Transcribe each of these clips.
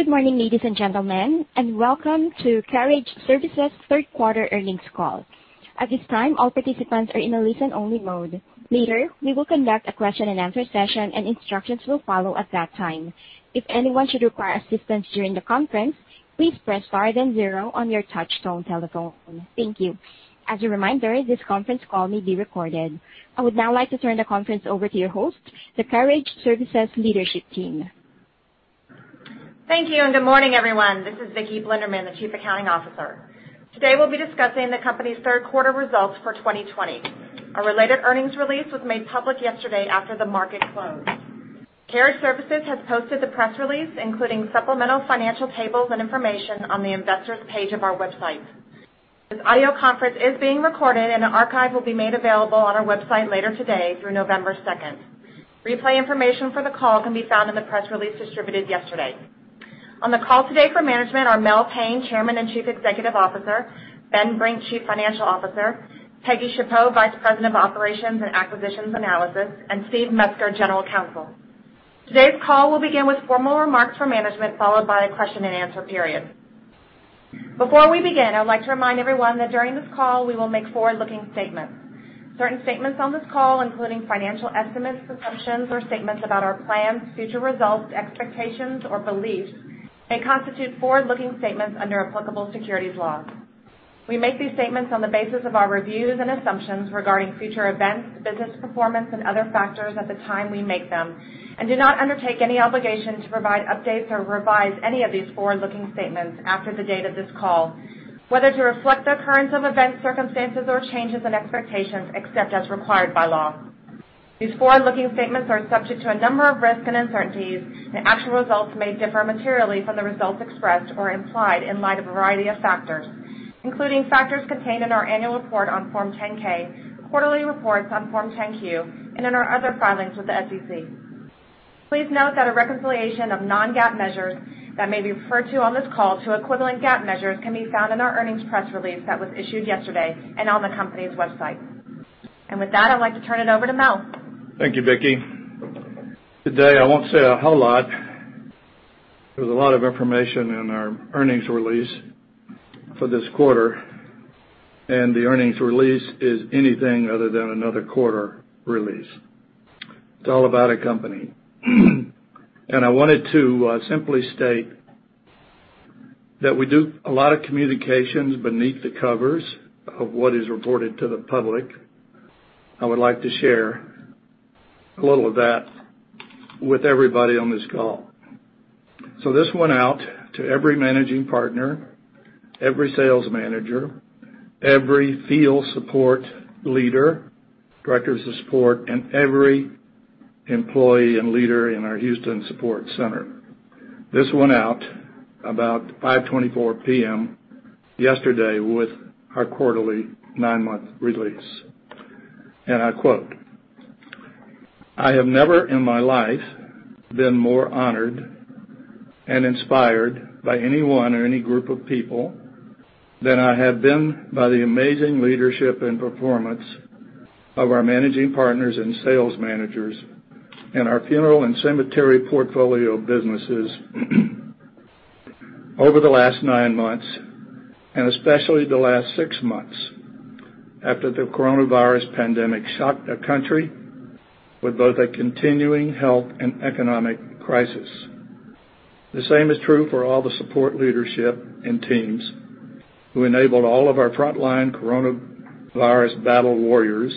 Good morning, ladies and gentlemen, and welcome to Carriage Services third quarter earnings call. At this time, all participants are in a listen-only mode. Later, we will conduct a question and answer session, and instructions will follow at that time. As a reminder, this conference call may be recorded. I would now like to turn the conference over to your host, the Carriage Services leadership team. Thank you, and good morning, everyone. This is Viki Blinderman, the Chief Accounting Officer. Today, we'll be discussing the company's third quarter results for 2020. A related earnings release was made public yesterday after the market closed. Carriage Services has posted the press release, including supplemental financial tables and information on the investor's page of our website. This audio conference is being recorded, and an archive will be made available on our website later today through November 2nd. Replay information for the call can be found in the press release distributed yesterday. On the call today for management are Mel Payne, Chairman and Chief Executive Officer, Ben Brink, Chief Financial Officer, Peggy Schappaugh, Vice President of Operations and Acquisition Analysis, and Steve Metzger, General Counsel. Today's call will begin with formal remarks from management, followed by a question and answer period. Before we begin, I would like to remind everyone that during this call, we will make forward-looking statements. Certain statements on this call, including financial estimates, assumptions, or statements about our plans, future results, expectations, or beliefs, may constitute forward-looking statements under applicable securities laws. We make these statements on the basis of our reviews and assumptions regarding future events, business performance, and other factors at the time we make them and do not undertake any obligation to provide updates or revise any of these forward-looking statements after the date of this call, whether to reflect occurrence of events, circumstances, or changes in expectations except as required by law. These forward-looking statements are subject to a number of risks and uncertainties, and actual results may differ materially from the results expressed or implied in light of a variety of factors, including factors contained in our annual report on Form 10-K, quarterly reports on Form 10-Q, and in our other filings with the SEC. Please note that a reconciliation of non-GAAP measures that may be referred to on this call to equivalent GAAP measures can be found in our earnings press release that was issued yesterday and on the company's website. With that, I'd like to turn it over to Mel. Thank you, Viki. Today, I won't say a whole lot. There's a lot of information in our earnings release for this quarter. The earnings release is anything other than another quarter release. It's all about a company. I wanted to simply state that we do a lot of communications beneath the covers of what is reported to the public. I would like to share a little of that with everybody on this call. This went out to every managing partner, every sales manager, every Field Support Leader, Directors of Support, and every employee and leader in our Houston Support Center. This went out about 5:24 P.M. yesterday with our quarterly nine-month release. I quote, "I have never in my life been more honored and inspired by anyone or any group of people than I have been by the amazing leadership and performance of our managing partners and sales managers in our funeral and cemetery portfolio businesses over the last nine months, and especially the last six months after the coronavirus pandemic shocked the country with both a continuing health and economic crisis. The same is true for all the support leadership and teams who enabled all of our frontline coronavirus battle warriors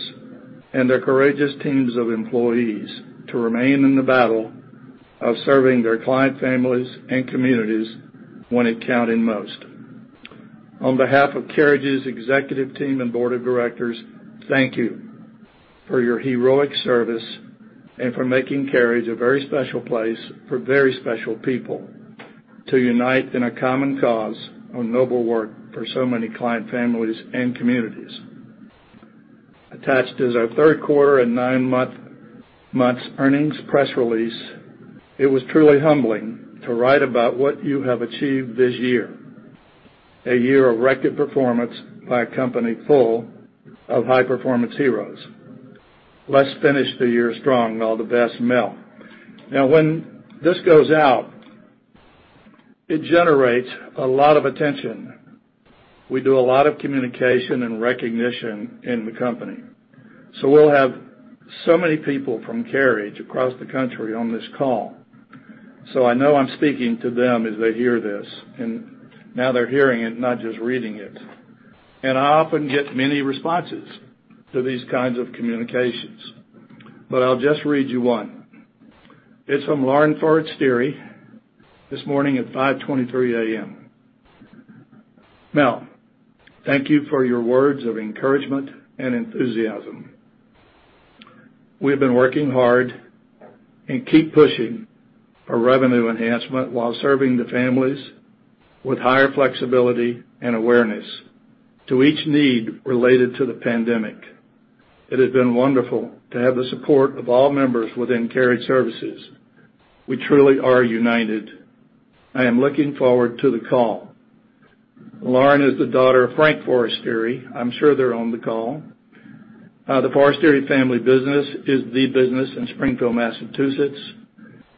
and their courageous teams of employees to remain in the battle of serving their client families and communities when it counted most. On behalf of Carriage's executive team and board of directors, thank you for your heroic service and for making Carriage a very special place for very special people to unite in a common cause of noble work for so many client families and communities. Attached is our third quarter and nine months earnings press release. It was truly humbling to write about what you have achieved this year, a year of record performance by a company full of high-performance heroes. Let's finish the year strong. All the best, Mel." Now, when this goes out, it generates a lot of attention. We do a lot of communication and recognition in the company. We'll have so many people from Carriage across the country on this call, so I know I'm speaking to them as they hear this, and now they're hearing it, not just reading it. I often get many responses to these kinds of communications, but I'll just read you one. It's from Lauren Forastiere this morning at 5:23 A.M. Mel, thank you for your words of encouragement and enthusiasm. We have been working hard and keep pushing for revenue enhancement while serving the families with higher flexibility and awareness to each need related to the pandemic. It has been wonderful to have the support of all members within Carriage Services. We truly are united. I am looking forward to the call. Lauren is the daughter of Frank Forastiere. I'm sure they're on the call. The Forastiere family business is the business in Springfield, Massachusetts.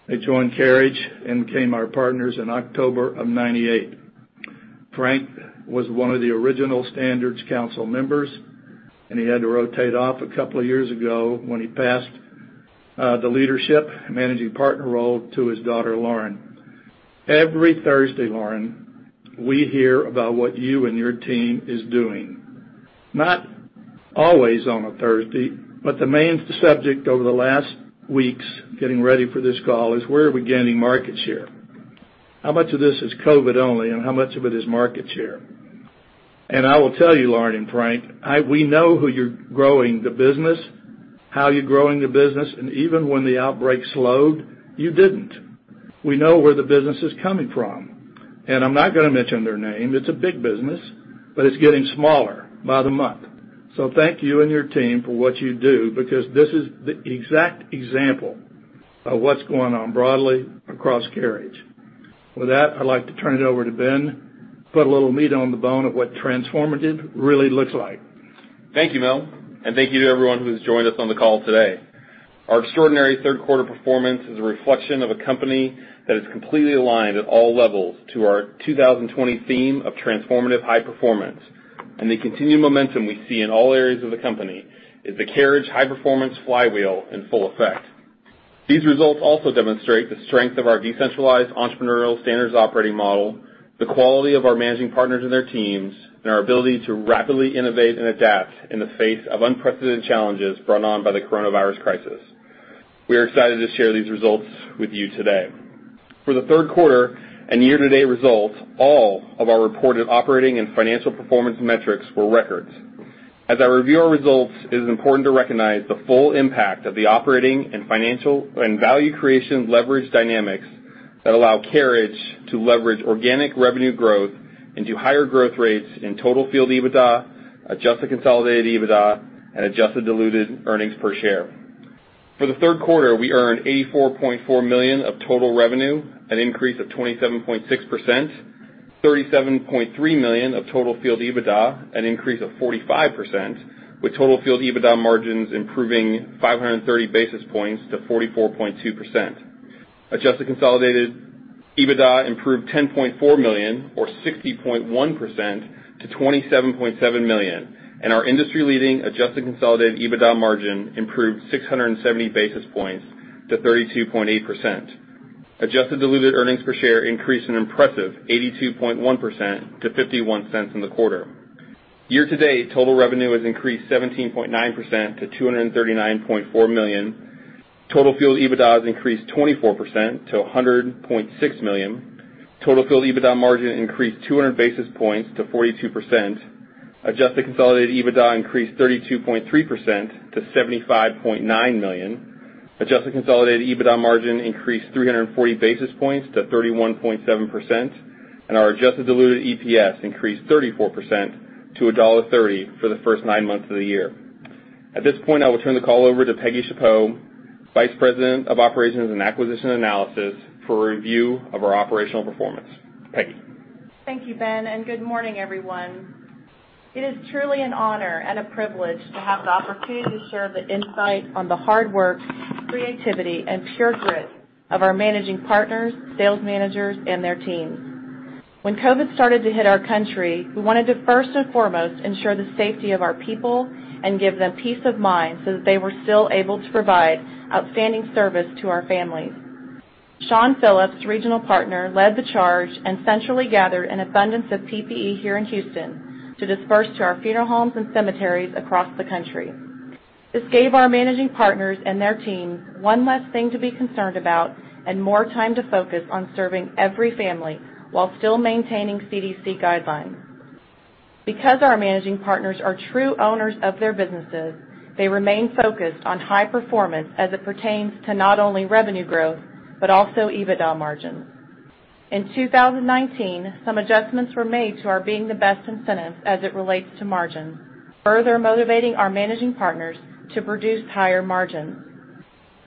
They joined Carriage and became our partners in October of 1998. Frank was one of the original Standards Council members, and he had to rotate off a couple of years ago when he passed the leadership managing partner role to his daughter, Lauren. Every Thursday, Lauren, we hear about what you and your team is doing. Not always on a Thursday, but the main subject over the last weeks getting ready for this call is: Where are we gaining market share? How much of this is COVID only, and how much of it is market share? I will tell you, Lauren and Frank, we know who you're growing the business, how you're growing the business, and even when the outbreak slowed, you didn't. We know where the business is coming from. I'm not going to mention their name. It's a big business, but it's getting smaller by the month. Thank you and your team for what you do because this is the exact example of what's going on broadly across Carriage. With that, I'd like to turn it over to Ben, put a little meat on the bone of what transformative really looks like. Thank you, Mel, and thank you to everyone who has joined us on the call today. Our extraordinary third quarter performance is a reflection of a company that is completely aligned at all levels to our 2020 theme of transformative high performance. The continued momentum we see in all areas of the company is the Carriage high-performance flywheel in full effect. These results also demonstrate the strength of our decentralized entrepreneurial Standards Operating Model, the quality of our managing partners and their teams, and our ability to rapidly innovate and adapt in the face of unprecedented challenges brought on by the coronavirus crisis. We are excited to share these results with you today. For the third quarter and year-to-date results, all of our reported operating and financial performance metrics were records. As I review our results, it is important to recognize the full impact of the operating and financial and value creation leverage dynamics that allow Carriage to leverage organic revenue growth into higher growth rates in total field EBITDA, adjusted consolidated EBITDA, and adjusted diluted Earnings Per Share. For the third quarter, we earned $84.4 million of total revenue, an increase of 27.6%, $37.3 million of total field EBITDA, an increase of 45%, with total Field EBITDA margins improving 530 basis points to 44.2%. adjusted consolidated EBITDA improved $10.4 million or 60.1% to $27.7 million, and our industry-leading adjusted consolidated EBITDA margin improved 670 basis points to 32.8%. Adjusted diluted Earnings Per Share increased an impressive 82.1% to $0.51 in the quarter. Year-to-date, total revenue has increased 17.9% to $239.4 million. Total field EBITDA has increased 24% to $100.6 million. Total field EBITDA margin increased 200 basis points to 42%. Adjusted consolidated EBITDA increased 32.3% to $75.9 million. Adjusted consolidated EBITDA margin increased 340 basis points to 31.7%. Our adjusted diluted EPS increased 34% to $1.30 for the first nine months of the year. At this point, I will turn the call over to Peggy Schappaugh, Vice President of Operations and Acquisition Analysis, for a review of our operational performance. Peggy? Thank you, Ben. Good morning, everyone. It is truly an honor and a privilege to have the opportunity to share the insight on the hard work, creativity, and pure grit of our managing partners, sales managers, and their teams. When COVID started to hit our country, we wanted to first and foremost ensure the safety of our people and give them peace of mind so that they were still able to provide outstanding service to our families. Shawn Phillips, Regional Partner, led the charge and centrally gathered an abundance of PPE here in Houston to disperse to our funeral homes and cemeteries across the country. This gave our managing partners and their teams one less thing to be concerned about and more time to focus on serving every family while still maintaining CDC guidelines. Because our managing partners are true owners of their businesses, they remain focused on high performance as it pertains to not only revenue growth, but also EBITDA margins. In 2019, some adjustments were made to our Being the Best incentives as it relates to margins, further motivating our managing partners to produce higher margins.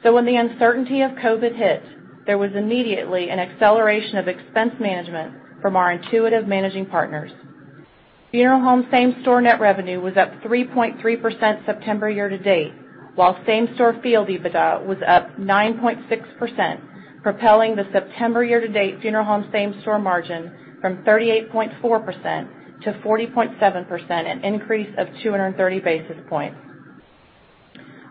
When the uncertainty of COVID hit, there was immediately an acceleration of expense management from our intuitive managing partners. Funeral home same-store net revenue was up 3.3% September year-to-date, while same-store field EBITDA was up 9.6%, propelling the September year-to-date funeral home same-store margin from 38.4% to 40.7%, an increase of 230 basis points.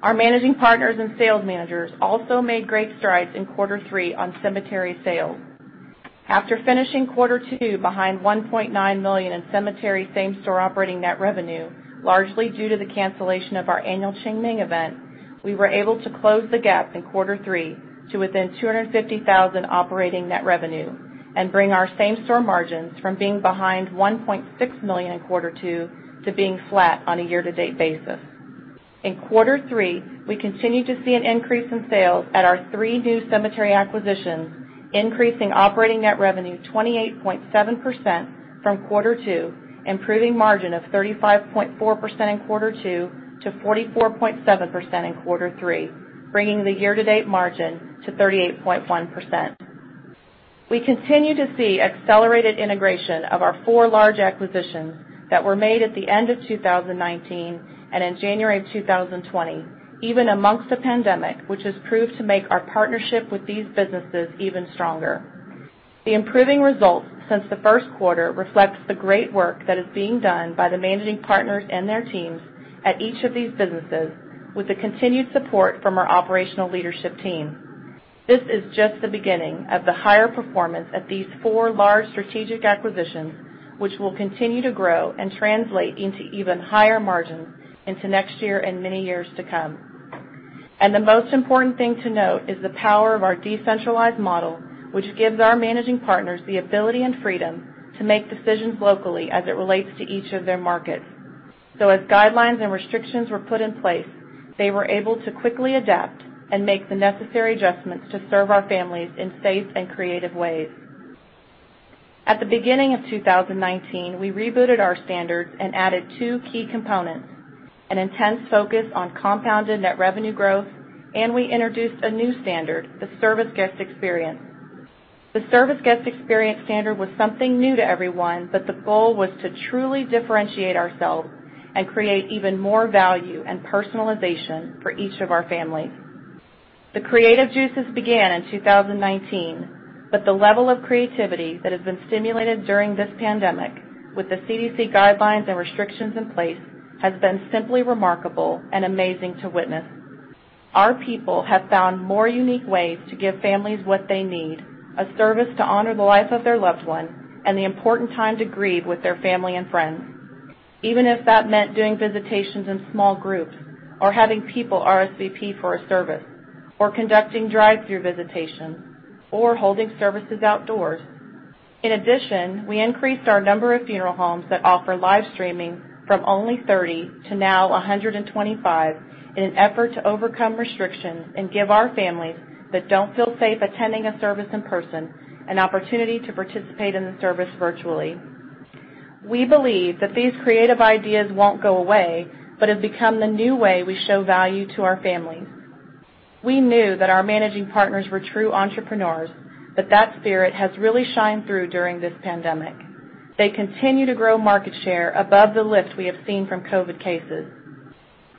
Our managing partners and sales managers also made great strides in Q3 on cemetery sales. After finishing quarter two behind $1.9 million in cemetery same-store operating net revenue, largely due to the cancellation of our annual Qingming event, we were able to close the gap in quarter three to within $250,000 operating net revenue and bring our same-store margins from being behind $1.6 million in quarter two to being flat on a year-to-date basis. In quarter three, we continued to see an increase in sales at our three new cemetery acquisitions, increasing operating net revenue 28.7% from quarter two, improving margin of 35.4% in quarter two to 44.7% in quarter three, bringing the year-to-date margin to 38.1%. We continue to see accelerated integration of our four large acquisitions that were made at the end of 2019 and in January of 2020, even amongst the pandemic, which has proved to make our partnership with these businesses even stronger. The improving results since the first quarter reflects the great work that is being done by the managing partners and their teams at each of these businesses with the continued support from our operational leadership team. This is just the beginning of the higher performance at these four large strategic acquisitions, which will continue to grow and translate into even higher margins into next year and many years to come. The most important thing to note is the power of our decentralized model, which gives our managing partners the ability and freedom to make decisions locally as it relates to each of their markets. As guidelines and restrictions were put in place, they were able to quickly adapt and make the necessary adjustments to serve our families in safe and creative ways. At the beginning of 2019, we rebooted our standards and added two key components, an intense focus on compounded net revenue growth, and we introduced a new standard, the Service and Guest Experience. The Service and Guest Experience standard was something new to everyone, but the goal was to truly differentiate ourselves and create even more value and personalization for each of our families. The creative juices began in 2019, but the level of creativity that has been stimulated during this pandemic with the CDC guidelines and restrictions in place has been simply remarkable and amazing to witness. Our people have found more unique ways to give families what they need, a service to honor the life of their loved one, and the important time to grieve with their family and friends, even if that meant doing visitations in small groups or having people RSVP for a service or conducting drive-thru visitations or holding services outdoors. In addition, we increased our number of funeral homes that offer live streaming from only 30 to now 125 in an effort to overcome restrictions and give our families that don't feel safe attending a service in person an opportunity to participate in the service virtually. We believe that these creative ideas won't go away, but have become the new way we show value to our families. We knew that our managing partners were true entrepreneurs, but that spirit has really shined through during this pandemic. They continue to grow market share above the lifts we have seen from COVID cases.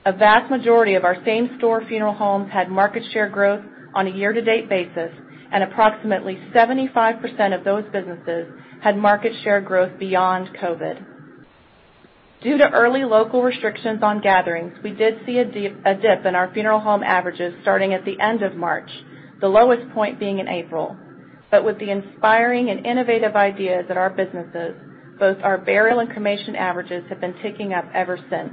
A vast majority of our same-store funeral homes had market share growth on a year-to-date basis, and approximately 75% of those businesses had market share growth beyond COVID. Due to early local restrictions on gatherings, we did see a dip in our funeral home averages starting at the end of March, the lowest point being in April. With the inspiring and innovative ideas at our businesses, both our burial and cremation averages have been ticking up ever since.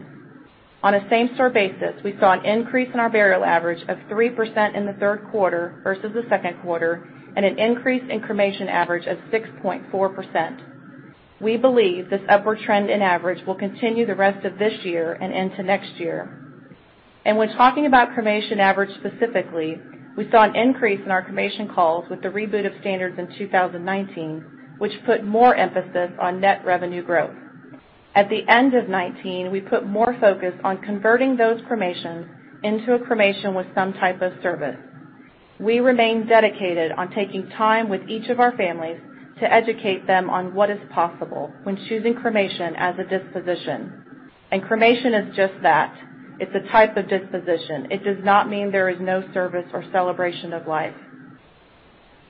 On a same-store basis, we saw an increase in our burial average of 3% in the third quarter versus the second quarter and an increase in cremation average of 6.4%. We believe this upward trend in average will continue the rest of this year and into next year. When talking about cremation average specifically, we saw an increase in our cremation calls with the reboot of Standards in 2019, which put more emphasis on net revenue growth. At the end of 2019, we put more focus on converting those cremations into a cremation with some type of service. We remain dedicated on taking time with each of our families to educate them on what is possible when choosing cremation as a disposition. Cremation is just that. It's a type of disposition. It does not mean there is no service or celebration of life.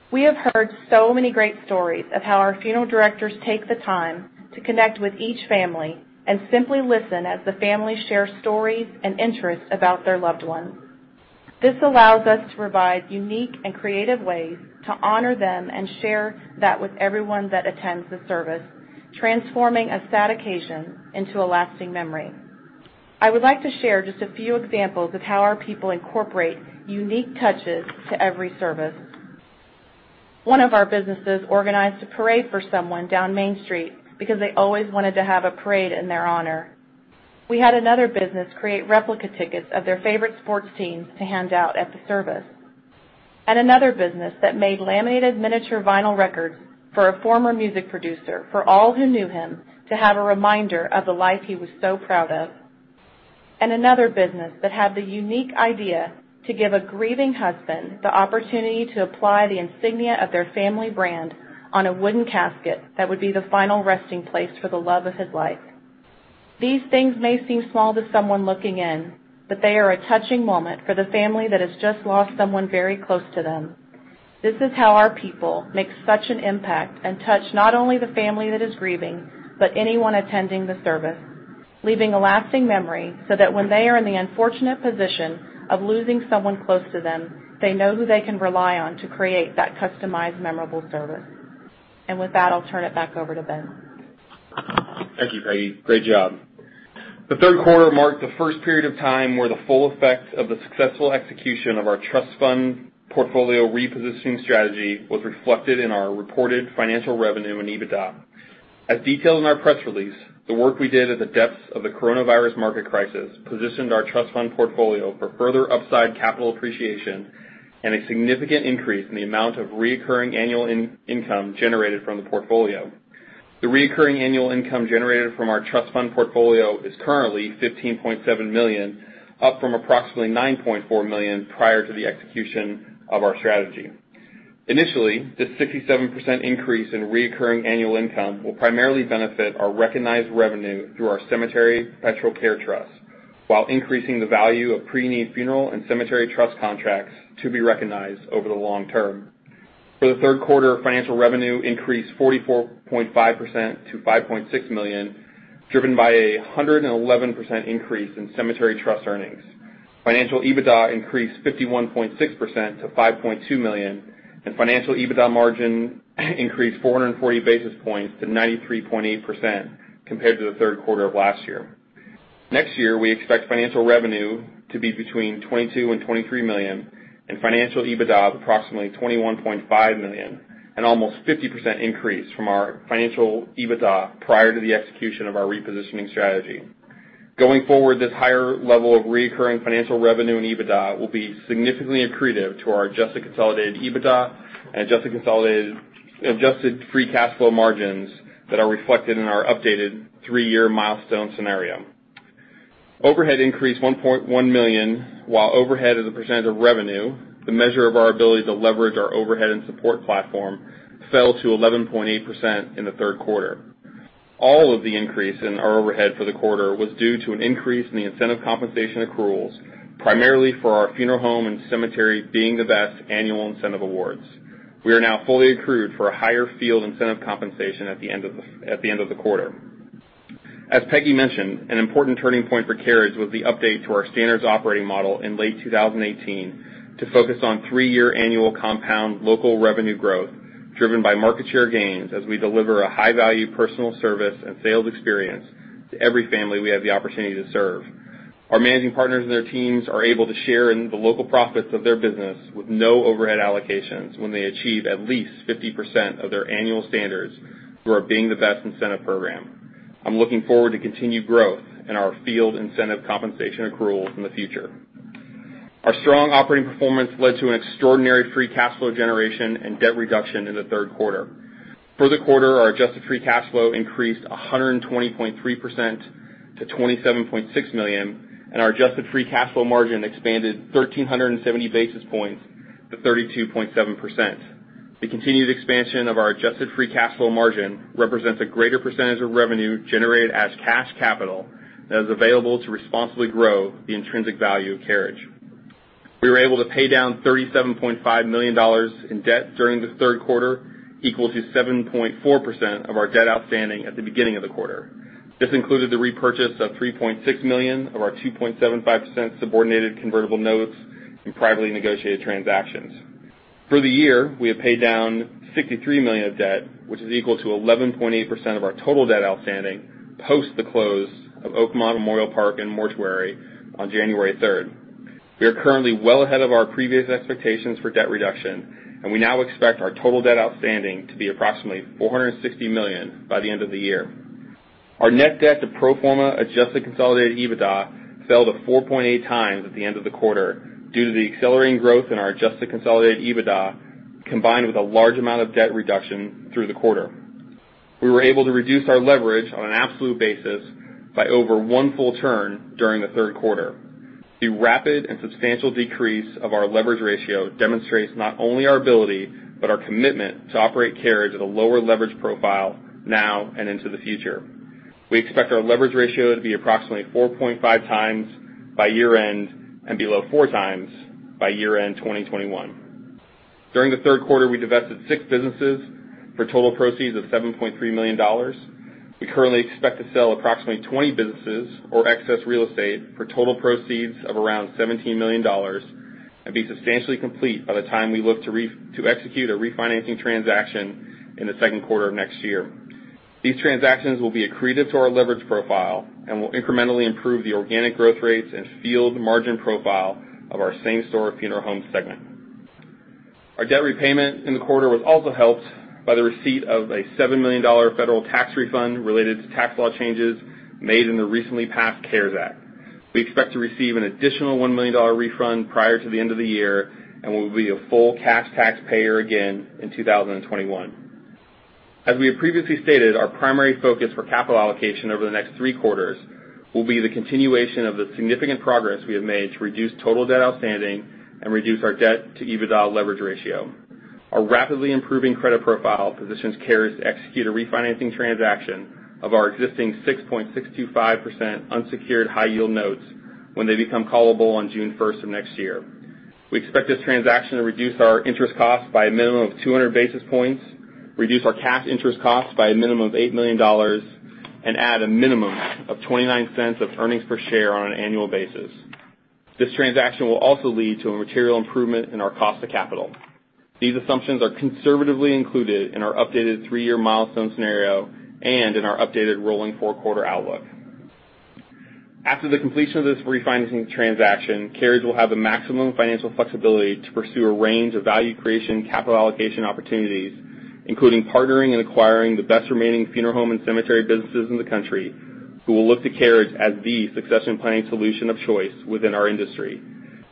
We have heard so many great stories of how our funeral directors take the time to connect with each family and simply listen as the family share stories and interests about their loved ones. This allows us to provide unique and creative ways to honor them and share that with everyone that attends the service, transforming a sad occasion into a lasting memory. I would like to share just a few examples of how our people incorporate unique touches to every service. One of our businesses organized a parade for someone down Main Street because they always wanted to have a parade in their honor. We had another business create replica tickets of their favorite sports teams to hand out at the service. Another business that made laminated miniature vinyl records for a former music producer for all who knew him to have a reminder of the life he was so proud of. Another business that had the unique idea to give a grieving husband the opportunity to apply the insignia of their family brand on a wooden casket that would be the final resting place for the love of his life. These things may seem small to someone looking in, but they are a touching moment for the family that has just lost someone very close to them. This is how our people make such an impact and touch not only the family that is grieving, but anyone attending the service, leaving a lasting memory so that when they are in the unfortunate position of losing someone close to them, they know who they can rely on to create that customized, memorable service. With that, I'll turn it back over to Ben. Thank you, Peggy. Great job. The third quarter marked the first period of time where the full effects of the successful execution of our trust fund portfolio repositioning strategy was reflected in our reported financial revenue and EBITDA. As detailed in our press release, the work we did at the depths of the coronavirus market crisis positioned our trust fund portfolio for further upside capital appreciation and a significant increase in the amount of reoccurring annual income generated from the portfolio. The reoccurring annual income generated from our trust fund portfolio is currently $15.7 million, up from approximately $9.4 million prior to the execution of our strategy. Initially, this 67% increase in reoccurring annual income will primarily benefit our recognized revenue through our cemetery perpetual care trust, while increasing the value of preneed funeral and cemetery trust contracts to be recognized over the long term. For the third quarter, Financial revenue increased 44.5% to $5.6 million, driven by 111% increase in cemetery trust earnings. Financial EBITDA increased 51.6% to $5.2 million, and financial EBITDA margin increased 440 basis points to 93.8% compared to the third quarter of last year. Next year, we expect financial revenue to be between $22 million and $23 million, and financial EBITDA of approximately $21.5 million, an almost 50% increase from our financial EBITDA prior to the execution of our repositioning strategy. Going forward, this higher level of reoccurring financial revenue and EBITDA will be significantly accretive to our adjusted consolidated EBITDA and adjusted free cash flow margins that are reflected in our updated three-year milestone scenario. Overhead increased $1.1 million, while overhead as a percentage of revenue, the measure of our ability to leverage our overhead and support platform, fell to 11.8% in the third quarter. All of the increase in our overhead for the quarter was due to an increase in the incentive compensation accruals, primarily for our funeral home and cemetery Being the Best annual incentive awards. We are now fully accrued for a higher field incentive compensation at the end of the quarter. As Peggy mentioned, an important turning point for Carriage was the update to our standards operating model in late 2018 to focus on three-year annual compound local revenue growth driven by market share gains, as we deliver a high-value personal service and sales experience to every family we have the opportunity to serve. Our managing partners and their teams are able to share in the local profits of their business with no overhead allocations when they achieve at least 50% of their annual standards through our Being the Best incentive program. I'm looking forward to continued growth in our field incentive compensation accruals in the future. Our strong operating performance led to an extraordinary free cash flow generation and debt reduction in the third quarter. For the quarter, our adjusted free cash flow increased 120.3% to $27.6 million, and our adjusted free cash flow margin expanded 1,370 basis points to 32.7%. The continued expansion of our adjusted free cash flow margin represents a greater percentage of revenue generated as cash capital that is available to responsibly grow the intrinsic value of Carriage. We were able to pay down $37.5 million in debt during the third quarter, equal to 7.4% of our debt outstanding at the beginning of the quarter. This included the repurchase of $3.6 million of our 2.75% Convertible Subordinated Notes through privately negotiated transactions. For the year, we have paid down $63 million of debt, which is equal to 11.8% of our total debt outstanding post the close of Oakmont Memorial Park and Mortuary on January 3rd. We are currently well ahead of our previous expectations for debt reduction, and we now expect our total debt outstanding to be approximately $460 million by the end of the year. Our net debt to pro forma adjusted consolidated EBITDA fell to 4.8 times at the end of the quarter due to the accelerating growth in our adjusted consolidated EBITDA, combined with a large amount of debt reduction through the quarter. We were able to reduce our leverage on an absolute basis by over one full turn during the third quarter. The rapid and substantial decrease of our leverage ratio demonstrates not only our ability, but our commitment to operate Carriage at a lower leverage profile now and into the future. We expect our leverage ratio to be approximately 4.5 times by year-end and below four times by year-end 2021. During the third quarter, we divested six businesses for total proceeds of $7.3 million. We currently expect to sell approximately 20 businesses or excess real estate for total proceeds of around $17 million and be substantially complete by the time we look to execute a refinancing transaction in the second quarter of next year. These transactions will be accretive to our leverage profile and will incrementally improve the organic growth rates and field margin profile of our same-store funeral home segment. Our debt repayment in the quarter was also helped by the receipt of a $7 million federal tax refund related to tax law changes made in the recently passed CARES Act. We expect to receive an additional $1 million refund prior to the end of the year and will be a full cash taxpayer again in 2021. As we have previously stated, our primary focus for capital allocation over the next three quarters will be the continuation of the significant progress we have made to reduce total debt outstanding and reduce our debt to EBITDA leverage ratio. Our rapidly improving credit profile positions Carriage to execute a refinancing transaction of our existing 6.625% unsecured senior notes when they become callable on June 1st of next year. We expect this transaction to reduce our interest costs by a minimum of 200 basis points, reduce our cash interest costs by a minimum of $8 million, and add a minimum of $0.29 of earnings per share on an annual basis. This transaction will also lead to a material improvement in our cost of capital. These assumptions are conservatively included in our updated three-year milestone scenario and in our updated rolling four-quarter outlook. After the completion of this refinancing transaction, Carriage will have the maximum financial flexibility to pursue a range of value creation capital allocation opportunities, including partnering and acquiring the best remaining funeral home and cemetery businesses in the country, who will look to Carriage as the succession planning solution of choice within our industry.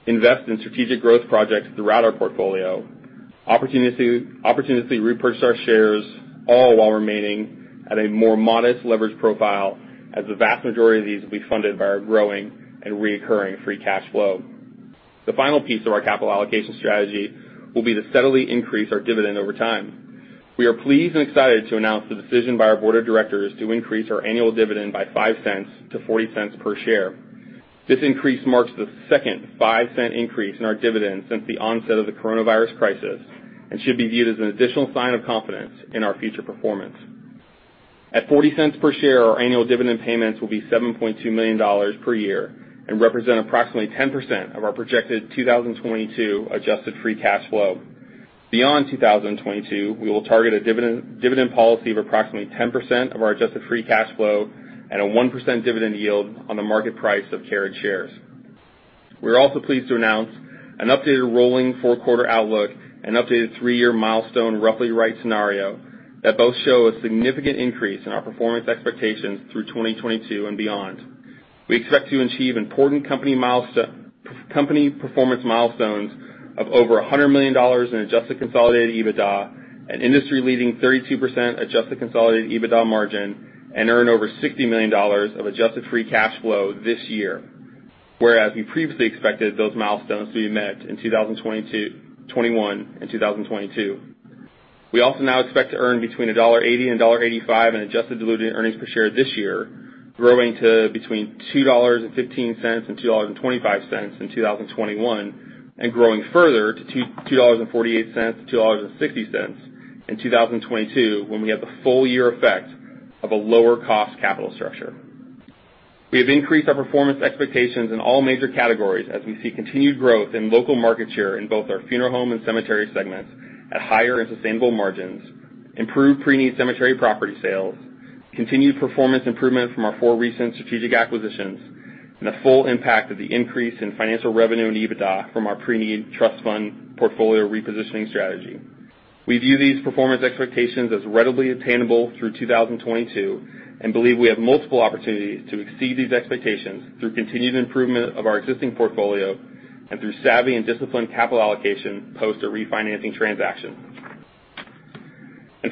Invest in strategic growth projects throughout our portfolio, opportunistically repurchase our shares, all while remaining at a more modest leverage profile as the vast majority of these will be funded by our growing and recurring free cash flow. The final piece of our capital allocation strategy will be to steadily increase our dividend over time. We are pleased and excited to announce the decision by our board of directors to increase our annual dividend by $0.05 to $0.40 per share. This increase marks the second $0.05 increase in our dividend since the onset of the coronavirus crisis and should be viewed as an additional sign of confidence in our future performance. At $0.40 per share, our annual dividend payments will be $7.2 million per year and represent approximately 10% of our projected 2022 adjusted free cash flow. Beyond 2022, we will target a dividend policy of approximately 10% of our adjusted free cash flow and a 1% dividend yield on the market price of Carriage shares. We're also pleased to announce an updated rolling four-quarter outlook and updated three-year milestone Roughly Right scenario that both show a significant increase in our performance expectations through 2022 and beyond. We expect to achieve important company performance milestones of over $100 million in adjusted consolidated EBITDA, an industry-leading 32% adjusted consolidated EBITDA margin, and earn over $60 million of adjusted free cash flow this year. Whereas we previously expected those milestones to be met in 2021 and 2022. We also now expect to earn between $1.80 and $1.85 in adjusted diluted earnings per share this year, growing to between $2.15 and $2.25 in 2021 and growing further to $2.48-$2.60 in 2022, when we have the full year effect of a lower cost capital structure. We have increased our performance expectations in all major categories as we see continued growth in local market share in both our funeral home and cemetery segments at higher and sustainable margins, improved pre-need cemetery property sales, continued performance improvement from our four recent strategic acquisitions, and the full impact of the increase in financial revenue and EBITDA from our pre-need trust fund portfolio repositioning strategy. We view these performance expectations as readily attainable through 2022 and believe we have multiple opportunities to exceed these expectations through continued improvement of our existing portfolio and through savvy and disciplined capital allocation post a refinancing transaction.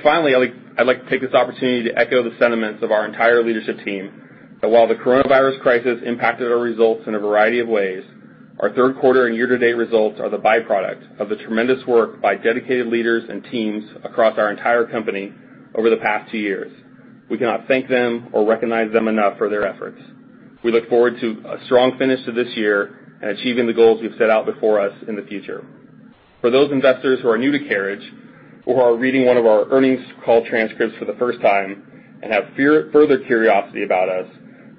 Finally, I'd like to take this opportunity to echo the sentiments of our entire leadership team that while the coronavirus crisis impacted our results in a variety of ways, our third quarter and year-to-date results are the byproduct of the tremendous work by dedicated leaders and teams across our entire company over the past two years. We cannot thank them or recognize them enough for their efforts. We look forward to a strong finish to this year and achieving the goals we've set out before us in the future. For those investors who are new to Carriage or who are reading one of our earnings call transcripts for the first time and have further curiosity about us,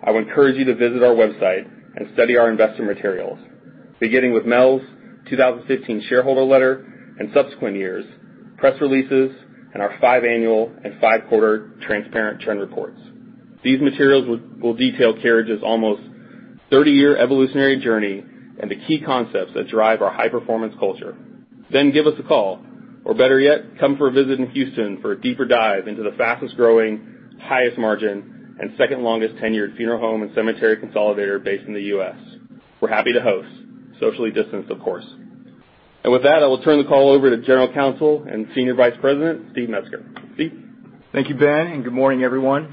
I would encourage you to visit our website and study our investor materials, beginning with Mel's 2015 shareholder letter and subsequent years press releases and our five annual and five quarter transparent trend reports. These materials will detail Carriage's almost 30-year evolutionary journey and the key concepts that drive our high-performance culture. Give us a call, or better yet, come for a visit in Houston for a deeper dive into the fastest-growing, highest margin, and second longest tenured funeral home and cemetery consolidator based in the U.S. We're happy to host, socially distanced, of course. With that, I will turn the call over to General Counsel and Senior Vice President, Steve Metzger. Steve. Thank you, Ben. Good morning, everyone.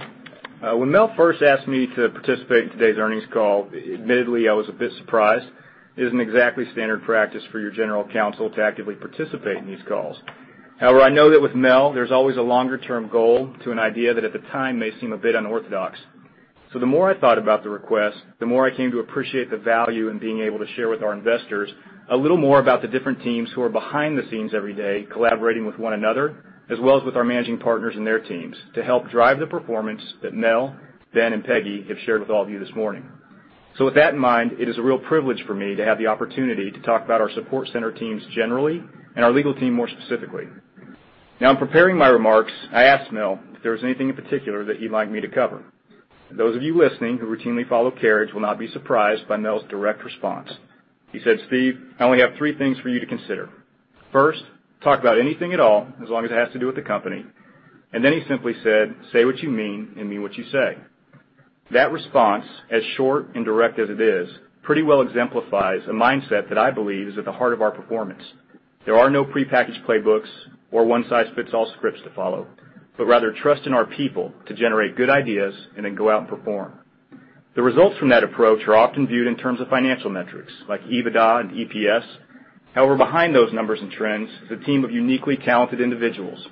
When Mel first asked me to participate in today's earnings call, admittedly, I was a bit surprised. It isn't exactly standard practice for your general counsel to actively participate in these calls. I know that with Mel, there's always a longer-term goal to an idea that at the time may seem a bit unorthodox. The more I thought about the request, the more I came to appreciate the value in being able to share with our investors a little more about the different teams who are behind the scenes every day, collaborating with one another as well as with our managing partners and their teams to help drive the performance that Mel, Ben, and Peggy have shared with all of you this morning. With that in mind, it is a real privilege for me to have the opportunity to talk about our support center teams generally and our legal team more specifically. Now, in preparing my remarks, I asked Mel if there was anything in particular that he'd like me to cover. Those of you listening who routinely follow Carriage will not be surprised by Mel's direct response. He said, "Steve, I only have three things for you to consider. First, talk about anything at all as long as it has to do with the company." Then he simply said, "Say what you mean, and mean what you say." That response, as short and direct as it is, pretty well exemplifies a mindset that I believe is at the heart of our performance. There are no prepackaged playbooks or one-size-fits-all scripts to follow, but rather trust in our people to generate good ideas and then go out and perform. The results from that approach are often viewed in terms of financial metrics like EBITDA and EPS. However, behind those numbers and trends is a team of uniquely talented individuals.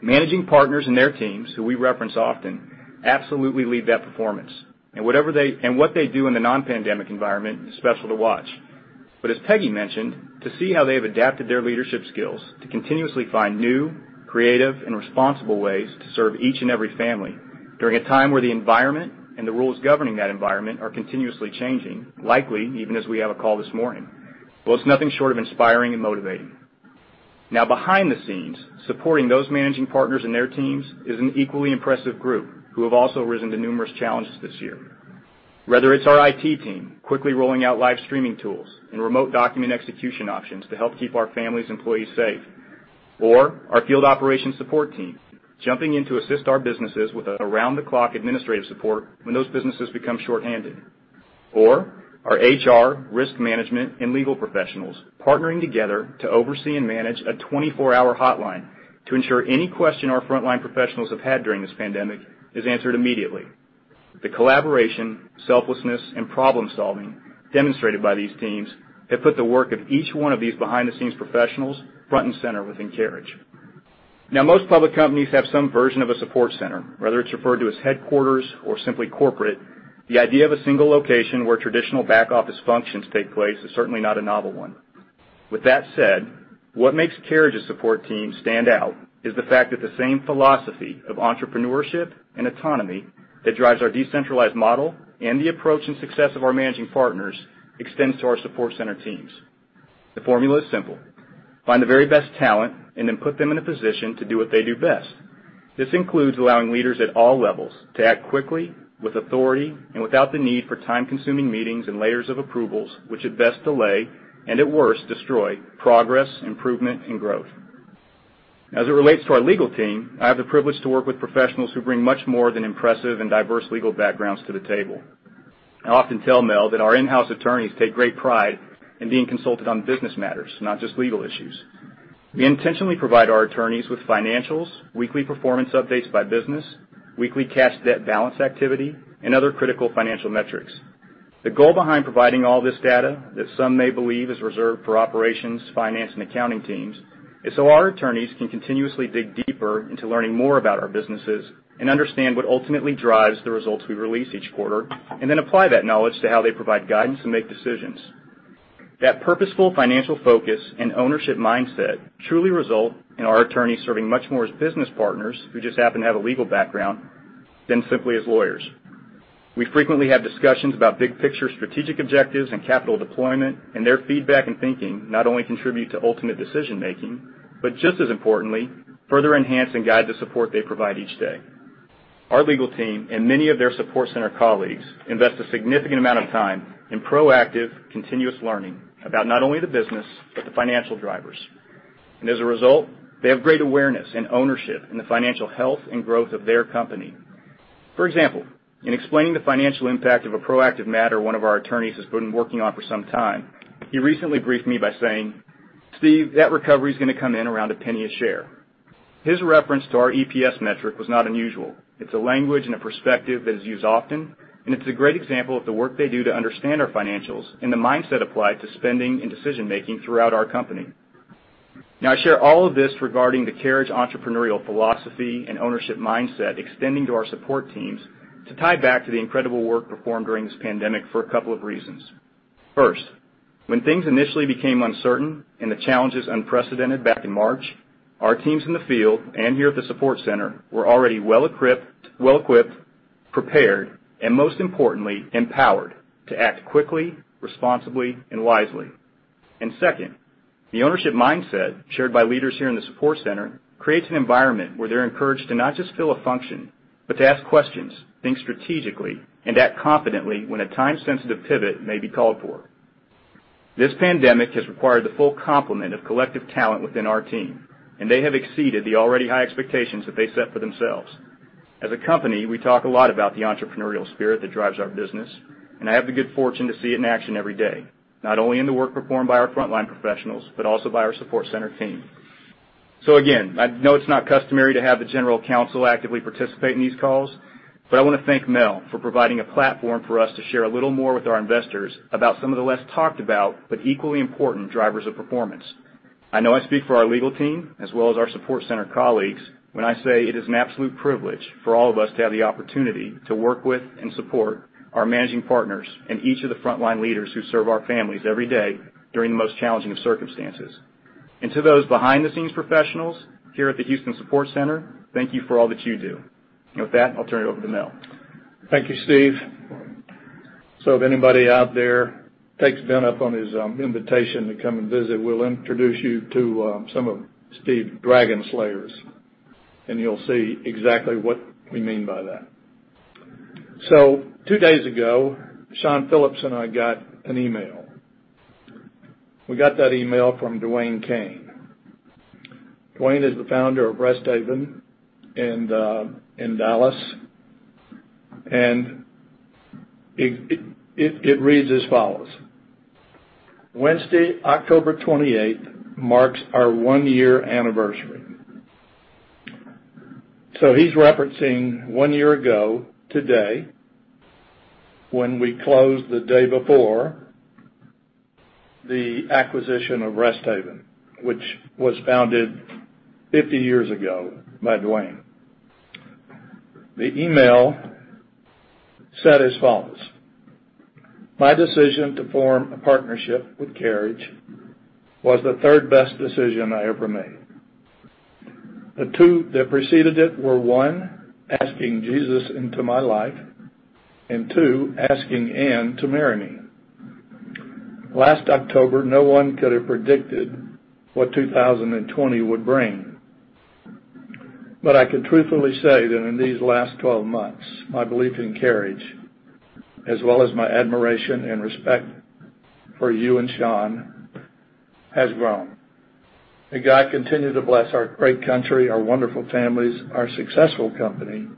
Managing partners and their teams, who we reference often, absolutely lead that performance. What they do in the non-pandemic environment is special to watch. As Peggy mentioned, to see how they have adapted their leadership skills to continuously find new, creative, and responsible ways to serve each and every family during a time where the environment and the rules governing that environment are continuously changing, likely even as we have a call this morning. Well, it's nothing short of inspiring and motivating. Behind the scenes, supporting those managing partners and their teams is an equally impressive group who have also risen to numerous challenges this year. Whether it's our IT team quickly rolling out live streaming tools and remote document execution options to help keep our families, employees safe. Or our field operations support team, jumping in to assist our businesses with around-the-clock administrative support when those businesses become short-handed. Our HR, risk management, and legal professionals partnering together to oversee and manage a 24-hour hotline to ensure any question our frontline professionals have had during this pandemic is answered immediately. The collaboration, selflessness, and problem-solving demonstrated by these teams have put the work of each one of these behind-the-scenes professionals front and center within Carriage. Most public companies have some version of a support center, whether it's referred to as headquarters or simply corporate. The idea of a single location where traditional back-office functions take place is certainly not a novel one. With that said, what makes Carriage's support team stand out is the fact that the same philosophy of entrepreneurship and autonomy that drives our decentralized model and the approach and success of our managing partners extends to our support center teams. The formula is simple: Find the very best talent and then put them in a position to do what they do best. This includes allowing leaders at all levels to act quickly, with authority, and without the need for time-consuming meetings and layers of approvals, which at best delay, and at worst destroy progress, improvement, and growth. As it relates to our legal team, I have the privilege to work with professionals who bring much more than impressive and diverse legal backgrounds to the table. I often tell Mel that our in-house attorneys take great pride in being consulted on business matters, not just legal issues. We intentionally provide our attorneys with financials, weekly performance updates by business, weekly cash debt balance activity, and other critical financial metrics. The goal behind providing all this data that some may believe is reserved for operations, finance, and accounting teams, is so our attorneys can continuously dig deeper into learning more about our businesses and understand what ultimately drives the results we release each quarter, and then apply that knowledge to how they provide guidance and make decisions. That purposeful financial focus and ownership mindset truly result in our attorneys serving much more as business partners who just happen to have a legal background than simply as lawyers. We frequently have discussions about big-picture strategic objectives and capital deployment, and their feedback and thinking not only contribute to ultimate decision-making, but just as importantly, further enhance and guide the support they provide each day. Our legal team and many of their support center colleagues invest a significant amount of time in proactive, continuous learning about not only the business, but the financial drivers. As a result, they have great awareness and ownership in the financial health and growth of their company. For example, in explaining the financial impact of a proactive matter one of our attorneys has been working on for some time, he recently briefed me by saying, "Steve, that recovery is going to come in around $0.01 a share." His reference to our EPS metric was not unusual. It's a language and a perspective that is used often, and it's a great example of the work they do to understand our financials and the mindset applied to spending and decision-making throughout our company. Now, I share all of this regarding the Carriage entrepreneurial philosophy and ownership mindset extending to our support teams to tie back to the incredible work performed during this pandemic for a couple of reasons. First, when things initially became uncertain and the challenges unprecedented back in March, our teams in the field and here at the support center were already well-equipped, prepared, and most importantly, empowered to act quickly, responsibly, and wisely. Second, the ownership mindset shared by leaders here in the support center creates an environment where they're encouraged to not just fill a function, but to ask questions, think strategically, and act confidently when a time-sensitive pivot may be called for. This pandemic has required the full complement of collective talent within our team, and they have exceeded the already high expectations that they set for themselves. As a company, we talk a lot about the entrepreneurial spirit that drives our business, and I have the good fortune to see it in action every day, not only in the work performed by our frontline professionals, but also by our support center team. Again, I know it's not customary to have the general counsel actively participate in these calls, but I want to thank Mel for providing a platform for us to share a little more with our investors about some of the less talked about, but equally important drivers of performance. I know I speak for our legal team as well as our Support Center colleagues when I say it is an absolute privilege for all of us to have the opportunity to work with and support our managing partners and each of the frontline leaders who serve our families every day during the most challenging of circumstances. To those behind-the-scenes professionals here at the Houston Support Center, thank you for all that you do. With that, I'll turn it over to Mel. Thank you, Steve. If anybody out there takes Ben up on his invitation to come and visit, we'll introduce you to some of Steve's dragon slayers, and you'll see exactly what we mean by that. Two days ago, Shawn Phillips and I got an email. We got that email from Dewayne Cain. Dewayne is the founder of Rest Haven in Dallas, and it reads as follows: "Wednesday, October 28th marks our one-year anniversary." He's referencing one year ago today, when we closed the day before, the acquisition of Rest Haven, which was founded 50 years ago by Dewayne. The email said as follows: "My decision to form a partnership with Carriage was the third-best decision I ever made. The two that preceded it were, one, asking Jesus into my life, and two, asking Ann to marry me. Last October, no one could have predicted what 2020 would bring. "But I can truthfully say that in these last 12 months, my belief in Carriage, as well as my admiration and respect for you and Shawn, has grown. May God continue to bless our great country, our wonderful families, our successful company,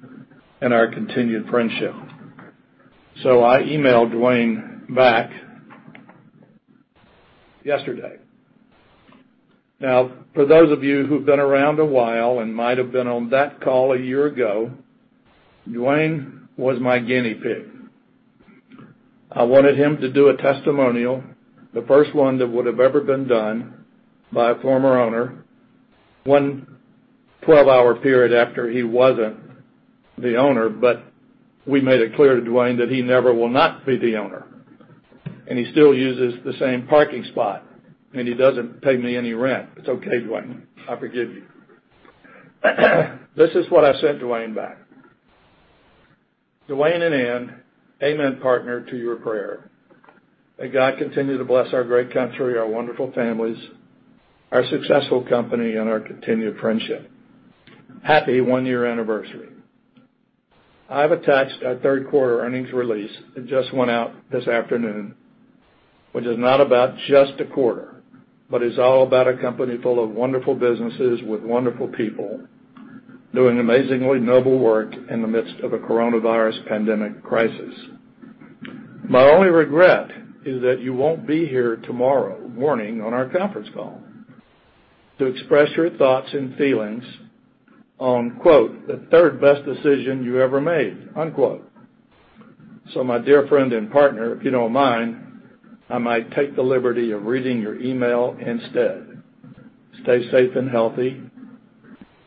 and our continued friendship." I emailed Dewayne back yesterday. Now, for those of you who've been around a while and might've been on that call a year ago, Dewayne was my guinea pig. I wanted him to do a testimonial, the first one that would've ever been done by a former owner, one 12-hour period after he wasn't the owner, but we made it clear to Dewayne that he never will not be the owner, and he still uses the same parking spot, and he doesn't pay me any rent. It's okay, Dewayne. I forgive you. This is what I said to Dewayne back, "Dewayne and Ann, amen partner to your prayer." May God continue to bless our great country, our wonderful families, our successful company, and our continued friendship. Happy one-year anniversary. I have attached our third quarter earnings release. It just went out this afternoon, which is not about just a quarter, but is all about a company full of wonderful businesses with wonderful people doing amazingly noble work in the midst of a coronavirus pandemic crisis. My only regret is that you won't be here tomorrow morning on our conference call to express your thoughts and feelings on, "the third-best decision you ever made." My dear friend and partner, if you don't mind, I might take the liberty of reading your email instead. Stay safe and healthy."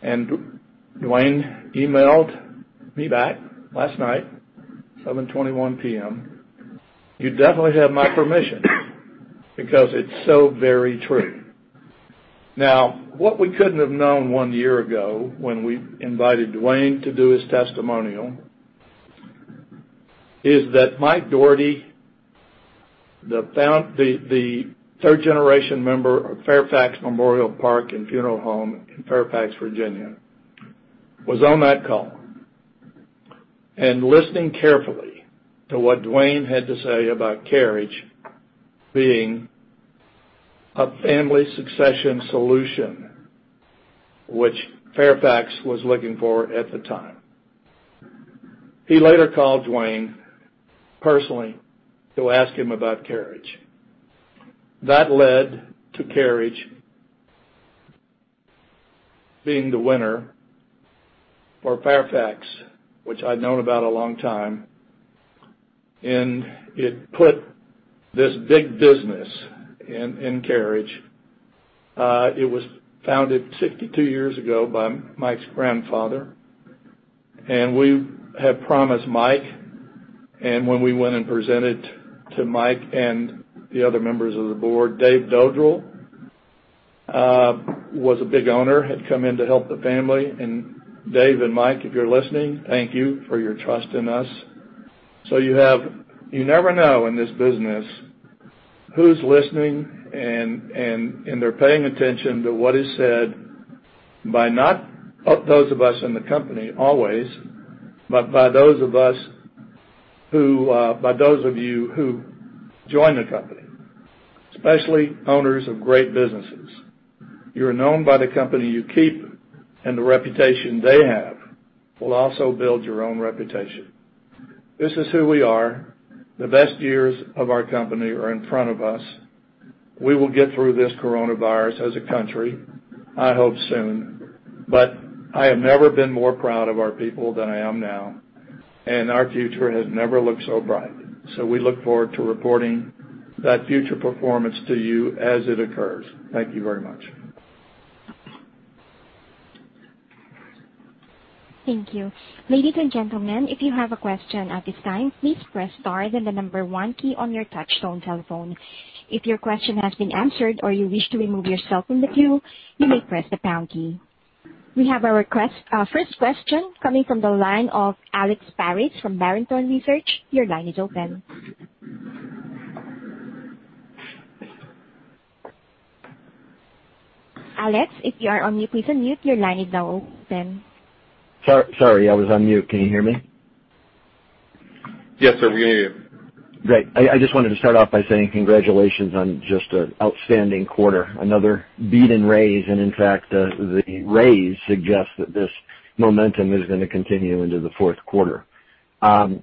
Dewayne emailed me back last night, 7:21 P.M., "You definitely have my permission because it's so very true." What we couldn't have known one year ago when we invited Dewayne to do his testimonial is that Mike Doherty, the third-generation member of Fairfax Memorial Park and Funeral Home in Fairfax, Virginia, was on that call and listening carefully to what Dewayne had to say about Carriage being a family succession solution, which Fairfax was looking for at the time. He later called Dewayne personally to ask him about Carriage. That led to Carriage being the winner for Fairfax, which I'd known about a long time, and it put this big business in Carriage. It was founded 62 years ago by Mike's grandfather. We had promised Mike, and when we went and presented to Mike and the other members of the board, Dave Dodrill was a big owner, had come in to help the family. Dave and Mike, if you're listening, thank you for your trust in us. You never know in this business who's listening, and they're paying attention to what is said by not those of us in the company always, but by those of you who join the company, especially owners of great businesses. You're known by the company you keep, and the reputation they have will also build your own reputation. This is who we are. The best years of our company are in front of us. We will get through this coronavirus as a country, I hope soon. I have never been more proud of our people than I am now, and our future has never looked so bright. We look forward to reporting that future performance to you as it occurs. Thank you very much. Thank you. Ladies and gentlemen, if you have a question at this time, please press star then the number one key on your touchtone telephone. If your question has been answered or you wish to remove yourself from the queue, you may press the pound key. We have our first question coming from the line of Alex Paris from Barrington Research. Your line is open. Alex, if you are on mute, please unmute. Your line is now open. Sorry, I was on mute. Can you hear me? Yes, sir. We can hear you. Great. I just wanted to start off by saying congratulations on just an outstanding quarter. Another beat and raise. In fact, the raise suggests that this momentum is gonna continue into the fourth quarter. I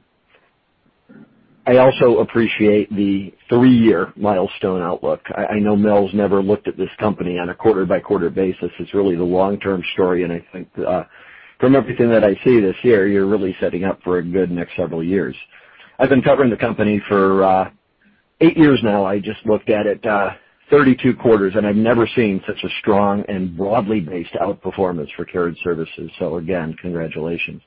also appreciate the three-year milestone outlook. I know Mel's never looked at this company on a quarter-by-quarter basis. It's really the long-term story, and I think from everything that I see this year, you're really setting up for a good next several years. I've been covering the company for eight years now. I just looked at it, 32 quarters, and I've never seen such a strong and broadly based outperformance for Carriage Services. Again, congratulations.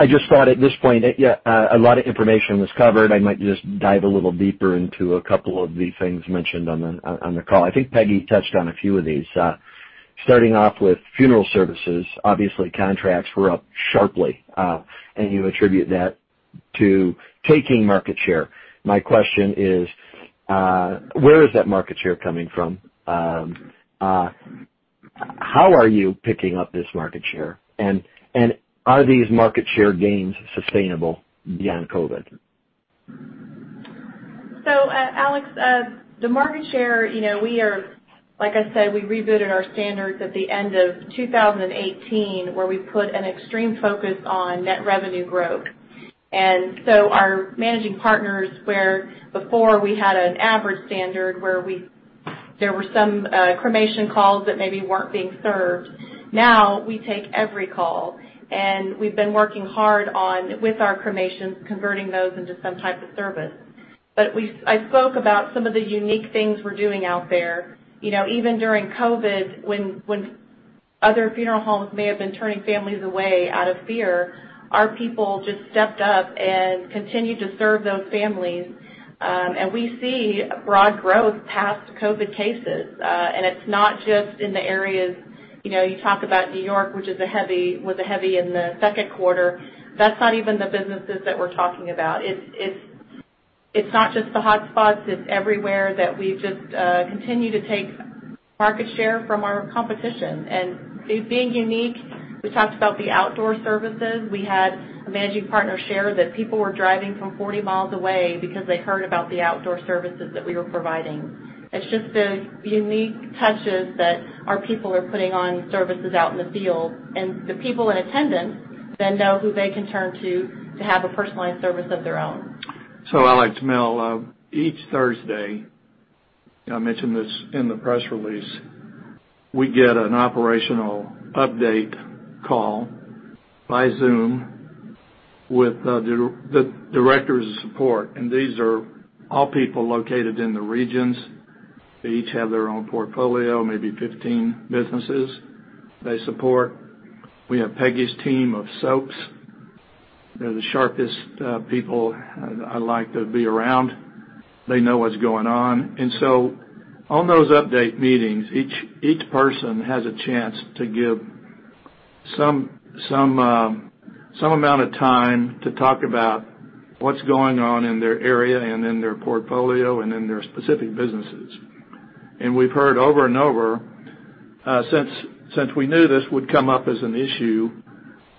I just thought at this point, a lot of information was covered. I might just dive a little deeper into a couple of the things mentioned on the call. I think Peggy touched on a few of these. Starting off with funeral services, obviously contracts were up sharply. You attribute that to taking market share. My question is, where is that market share coming from? How are you picking up this market share? Are these market share gains sustainable beyond COVID? Alex, the market share, like I said, we rebooted our standards at the end of 2018, where we put an extreme focus on net revenue growth. Our managing partners, where before we had an average standard, where there were some cremation calls that maybe weren't being served, now we take every call, and we've been working hard on, with our cremations, converting those into some type of service. I spoke about some of the unique things we're doing out there. Even during COVID, when other funeral homes may have been turning families away out of fear, our people just stepped up and continued to serve those families. We see broad growth past COVID cases. It's not just in the areas, you talk about New York, which was a heavy in the second quarter. That's not even the businesses that we're talking about. It's not just the hotspots, it's everywhere that we just continue to take market share from our competition. It being unique, we talked about the outdoor services. We had a managing partner share that people were driving from 40 miles away because they heard about the outdoor services that we were providing. It's just the unique touches that our people are putting on services out in the field, and the people in attendance then know who they can turn to have a personalized service of their own. Alex, Mel, each Thursday, I mentioned this in the press release, we get an operational update call by Zoom with the Directors of Support. These are all people located in the regions. They each have their own portfolio, maybe 15 businesses they support. We have Peggy's team of DOSs. They're the sharpest people I like to be around. They know what's going on. On those update meetings, each person has a chance to give some amount of time to talk about what's going on in their area and in their portfolio and in their specific businesses. We've heard over and over, since we knew this would come up as an issue,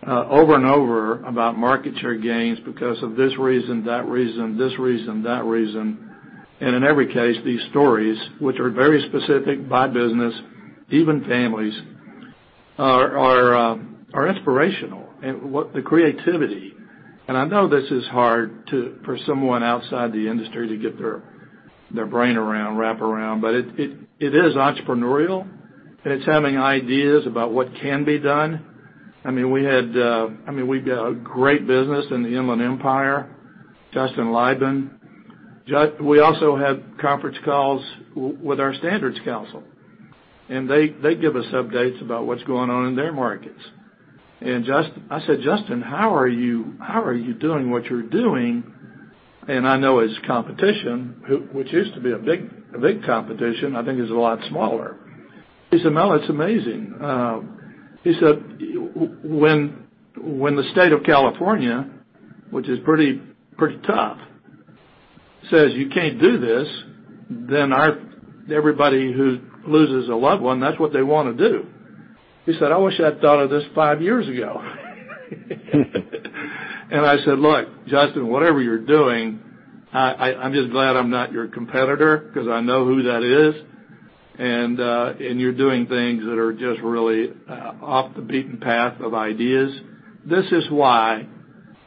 over and over about market share gains because of this reason, that reason, this reason, that reason. In every case, these stories, which are very specific by business, even families, are inspirational. What the creativity, and I know this is hard for someone outside the industry to get their brain around, wrap around, but it is entrepreneurial, and it's having ideas about what can be done. We've got a great business in the Inland Empire, Justin Luyben. We also have conference calls with our Standards Council, and they give us updates about what's going on in their markets. I said, "Justin, how are you doing what you're doing?" I know his competition, which used to be a big competition, I think is a lot smaller. He said, "Mel, it's amazing." He said, "When the state of California, which is pretty tough, says you can't do this, then everybody who loses a loved one, that's what they want to do." He said, "I wish I'd thought of this five years ago." I said, "Look, Justin, whatever you're doing, I'm just glad I'm not your competitor because I know who that is. You're doing things that are just really off the beaten path of ideas." This is why,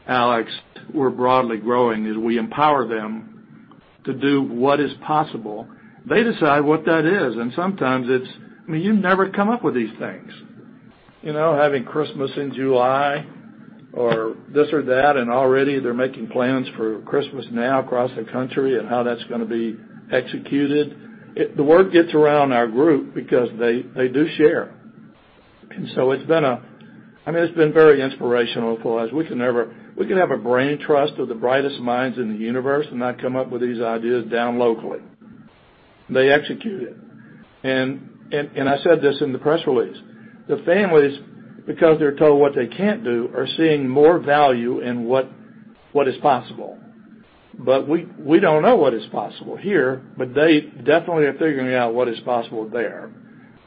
Alex, we're broadly growing, is we empower them to do what is possible. They decide what that is, and sometimes it's, you never come up with these things. Having Christmas in July or this or that, and already they're making plans for Christmas now across the country and how that's going to be executed. The word gets around our group because they do share. It's been very inspirational for us. We can have a brain trust of the brightest minds in the universe and not come up with these ideas down locally. They execute it. I said this in the press release. The families, because they're told what they can't do, are seeing more value in what is possible. We don't know what is possible here, but they definitely are figuring out what is possible there.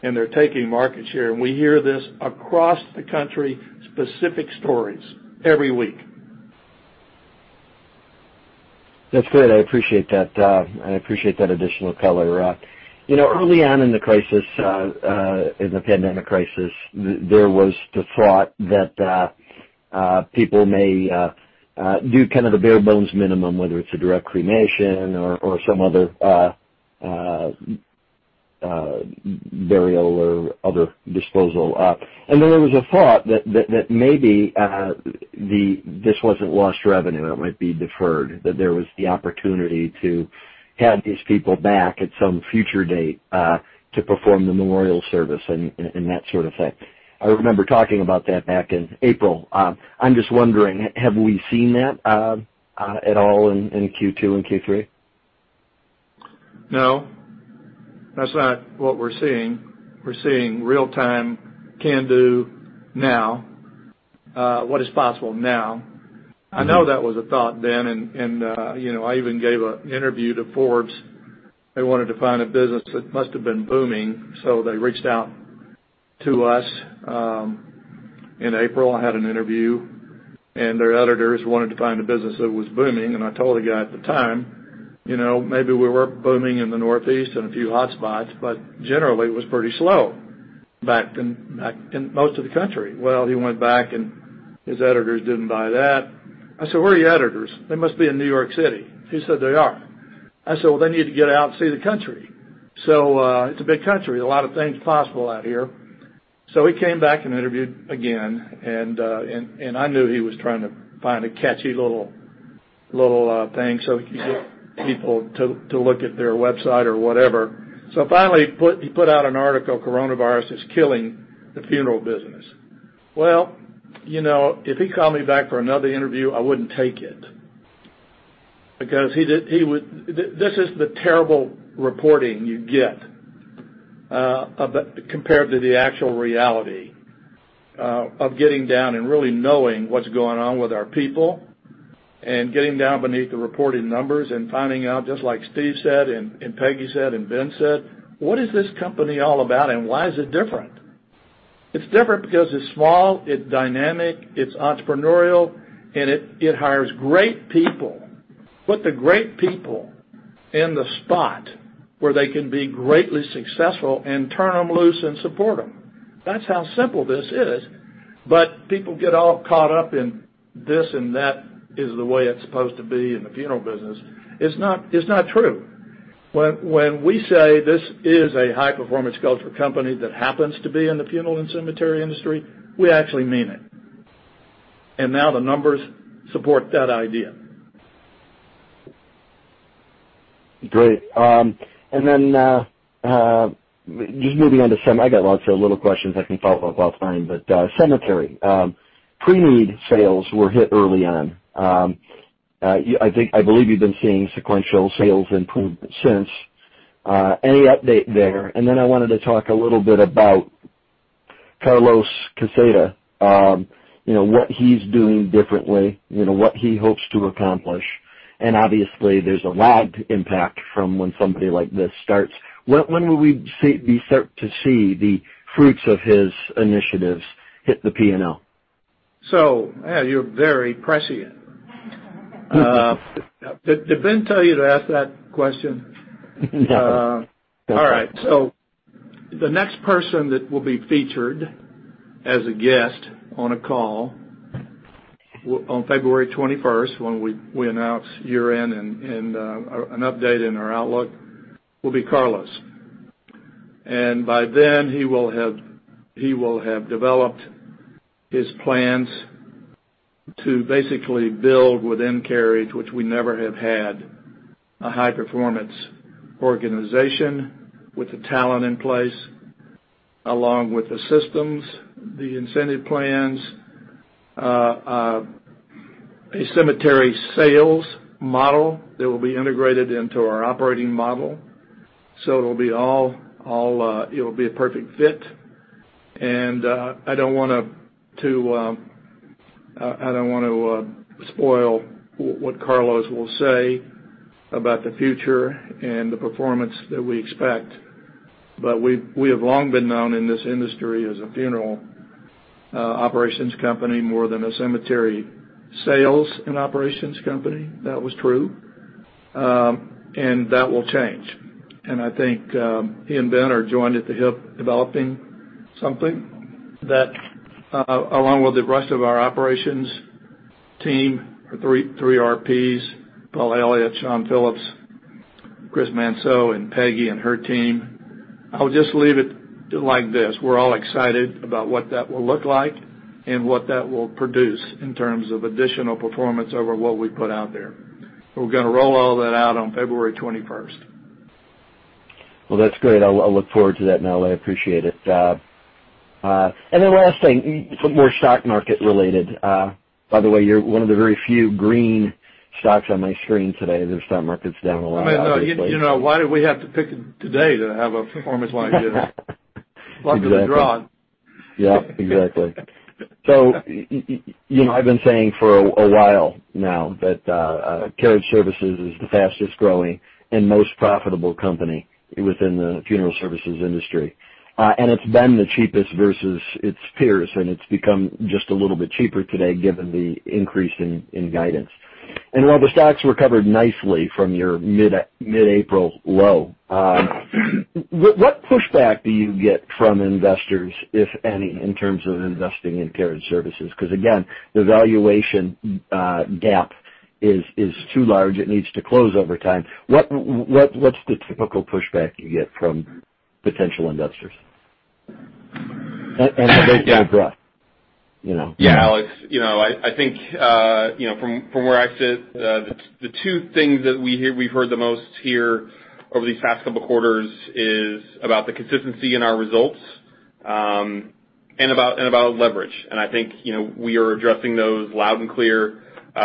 They're taking market share. We hear this across the country, specific stories every week. That's great. I appreciate that. I appreciate that additional color. Early on in the pandemic crisis, there was the thought that people may do kind of the bare bones minimum, whether it's a direct cremation or some other burial or other disposal. There was a thought that maybe this wasn't lost revenue, it might be deferred, that there was the opportunity to have these people back at some future date to perform the memorial service and that sort of thing. I remember talking about that back in April. I'm just wondering, have we seen that at all in Q2 and Q3? No, that's not what we're seeing. We're seeing real-time can-do now. What is possible now. I know that was a thought then. I even gave an interview to Forbes. They wanted to find a business that must have been booming. They reached out to us. In April, I had an interview. Their editors wanted to find a business that was booming. I told the guy at the time, maybe we were booming in the northeast and a few hot spots. Generally, it was pretty slow back in most of the country. He went back. His editors didn't buy that. I said, "Where are your editors?" They must be in New York City. He said, "They are." I said, "They need to get out and see the country." It's a big country. A lot of things possible out here. He came back and interviewed again, and I knew he was trying to find a catchy little thing so he could get people to look at their website or whatever. Finally, he put out an article, Coronavirus is Killing the Funeral Business. Well, if he called me back for another interview, I wouldn't take it. This is the terrible reporting you get, compared to the actual reality, of getting down and really knowing what's going on with our people, and getting down beneath the reported numbers and finding out, just like Steve said and Peggy said and Ben said, what is this company all about, and why is it different? It's different because it's small, it's dynamic, it's entrepreneurial, and it hires great people. Put the great people in the spot where they can be greatly successful and turn them loose and support them. That's how simple this is. People get all caught up in this and that is the way it's supposed to be in the funeral business. It's not true. When we say this is a high-performance cultural company that happens to be in the funeral and cemetery industry, we actually mean it. Now the numbers support that idea. Great. I got lots of little questions I can follow up while it's running, but cemetery. preneed sales were hit early on. I believe you've been seeing sequential sales improvement since. Any update there? I wanted to talk a little bit about Carlos Quezada. What he's doing differently, what he hopes to accomplish. Obviously, there's a lag impact from when somebody like this starts. When will we start to see the fruits of his initiatives hit the P&L? Yeah, you're very prescient. Did Ben tell you to ask that question? No. All right. The next person that will be featured as a guest on a call on February 21st, when we announce year-end and an update in our outlook, will be Carlos. By then, he will have developed his plans to basically build within Carriage, which we never have had a high-performance organization with the talent in place, along with the systems, the incentive plans, a cemetery sales model that will be integrated into our operating model. It'll be a perfect fit. I don't want to spoil what Carlos will say about the future and the performance that we expect. We have long been known in this industry as a funeral operations company more than a cemetery sales and operations company. That was true. That will change. I think he and Ben are joined at the hip developing something that, along with the rest of our operations team, our three RPs, Paul Elliott, Shawn Phillips, Chris Manceaux, and Peggy and her team. I'll just leave it like this. We're all excited about what that will look like and what that will produce in terms of additional performance over what we put out there. We're going to roll all that out on February 21st. Well, that's great. I'll look forward to that, and I appreciate it. Then last thing, more stock market related. By the way, you're one of the very few green stocks on my screen today. The stock market's down a lot obviously. Why did we have to pick today to have a performance like this? Exactly. Luck of the draw. Yeah, exactly. I've been saying for a while now that Carriage Services is the fastest-growing and most profitable company within the funeral services industry. It's been the cheapest versus its peers, and it's become just a little bit cheaper today given the increase in guidance. While the stocks recovered nicely from your mid-April low, what pushback do you get from investors, if any, in terms of investing in Carriage Services? Because again, the valuation gap is too large. It needs to close over time. What's the typical pushback you get from potential investors? Are they more broad? Yeah, Alex. I think, from where I sit, the two things that we've heard the most here over these past couple of quarters is about the consistency in our results About leverage. I think we are addressing those loud and clear,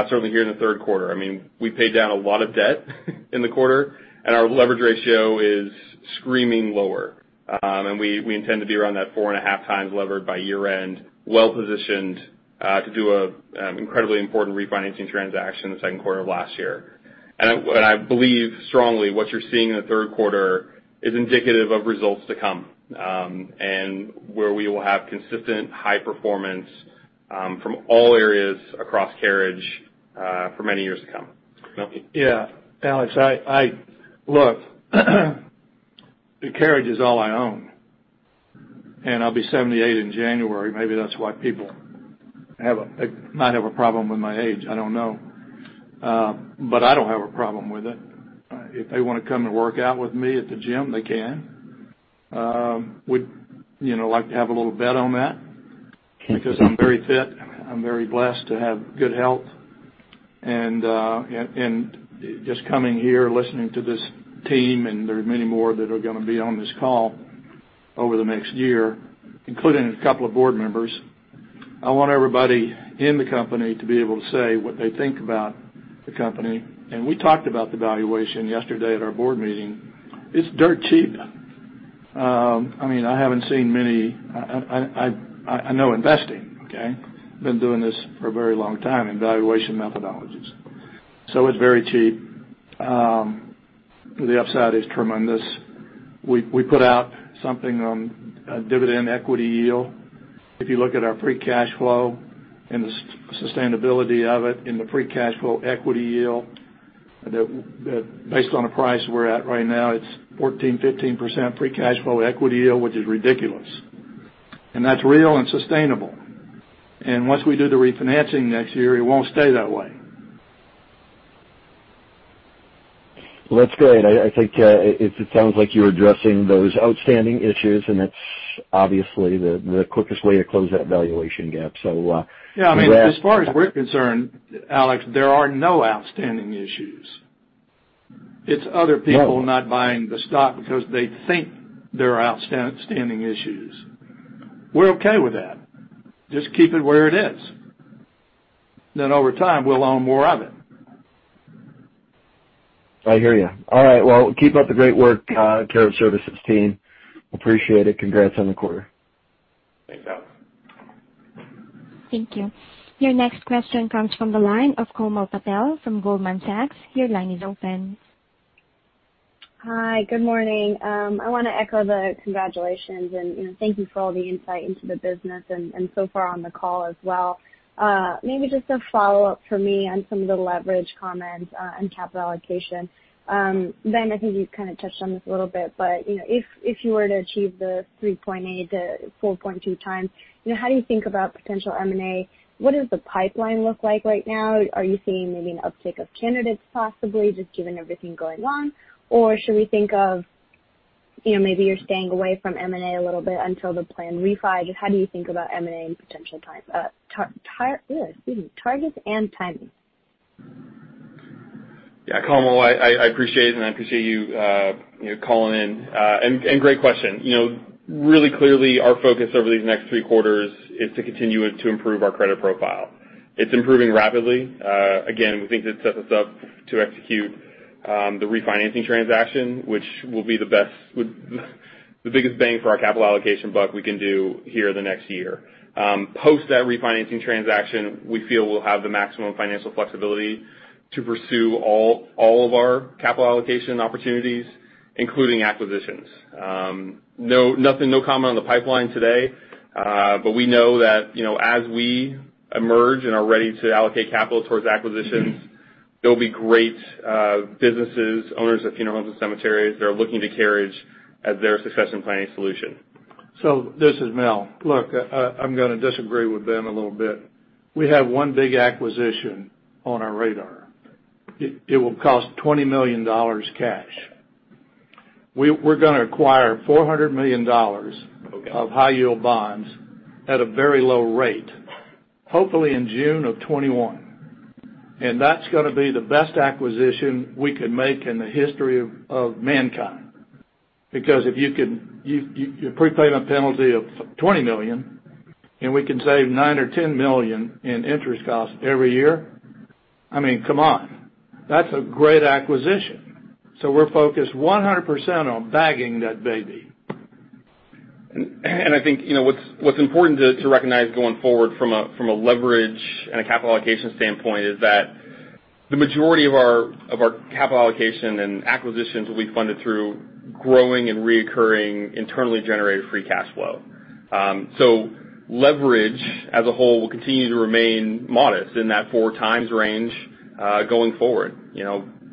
certainly here in the third quarter. We paid down a lot of debt in the quarter, and our leverage ratio is screaming lower. We intend to be around that 4.5 times levered by year-end, well-positioned to do an incredibly important refinancing transaction the second quarter of last year. I believe strongly what you're seeing in the third quarter is indicative of results to come, and where we will have consistent high performance from all areas across Carriage for many years to come. Mel? Yeah. Alex, look, Carriage is all I own, and I'll be 78 in January. Maybe that's why people might have a problem with my age. I don't know. I don't have a problem with it. If they want to come and work out with me at the gym, they can. Would you like to have a little bet on that? Because I'm very fit. I'm very blessed to have good health. Just coming here, listening to this team, and there are many more that are going to be on this call over the next year, including a couple of board members. I want everybody in the company to be able to say what they think about the company. We talked about the valuation yesterday at our board meeting. It's dirt cheap. I know investing, okay? Been doing this for a very long time in valuation methodologies. It's very cheap. The upside is tremendous. We put out something on dividend equity yield. If you look at our free cash flow and the sustainability of it in the free cash flow equity yield, based on the price we're at right now, it's 14%-15% free cash flow equity yield, which is ridiculous. That's real and sustainable. Once we do the refinancing next year, it won't stay that way. Well, that's great. I think it sounds like you're addressing those outstanding issues, and that's obviously the quickest way to close that valuation gap. Yeah. As far as we're concerned, Alex, there are no outstanding issues. No. It's other people not buying the stock because they think there are outstanding issues. We're okay with that. Just keep it where it is. Over time, we'll own more of it. I hear you. All right. Well, keep up the great work, Carriage Services team. Appreciate it. Congrats on the quarter. Thanks, Alex. Thank you. Your next question comes from the line of Komal Patel from Goldman Sachs. Your line is open. Hi. Good morning. I want to echo the congratulations and thank you for all the insight into the business and so far on the call as well. Maybe just a follow-up from me on some of the leverage comments on capital allocation. Ben, I think you kind of touched on this a little bit, if you were to achieve the 3.8-4.2 times, how do you think about potential M&A? What does the pipeline look like right now? Are you seeing maybe an uptick of candidates possibly, just given everything going on? Should we think of maybe you're staying away from M&A a little bit until the plan refi? Just how do you think about M&A and potential targets and timing? Yeah, Komal, I appreciate it, and I appreciate you calling in. Great question. Really clearly, our focus over these next three quarters is to continue to improve our credit profile. It's improving rapidly. We think that sets us up to execute the refinancing transaction, which will be the biggest bang for our capital allocation buck we can do here in the next year. Post that refinancing transaction, we feel we'll have the maximum financial flexibility to pursue all of our capital allocation opportunities, including acquisitions. No comment on the pipeline today. We know that as we emerge and are ready to allocate capital towards acquisitions, there'll be great businesses, owners of funeral homes and cemeteries that are looking to Carriage as their success and planning solution. This is Mel. Look, I'm going to disagree with Ben a little bit. We have one big acquisition on our radar. It will cost $20 million cash. We're going to acquire $400 million. Okay. Of high-yield bonds at a very low rate, hopefully in June of 2021. That's going to be the best acquisition we could make in the history of mankind. If you prepaid a penalty of $20 million, and we can save $9 or $10 million in interest costs every year, I mean, come on. That's a great acquisition. We're focused 100% on bagging that baby. I think what's important to recognize going forward from a leverage and a capital allocation standpoint is that the majority of our capital allocation and acquisitions will be funded through growing and reoccurring internally generated free cash flow. Leverage as a whole will continue to remain modest in that four times range going forward.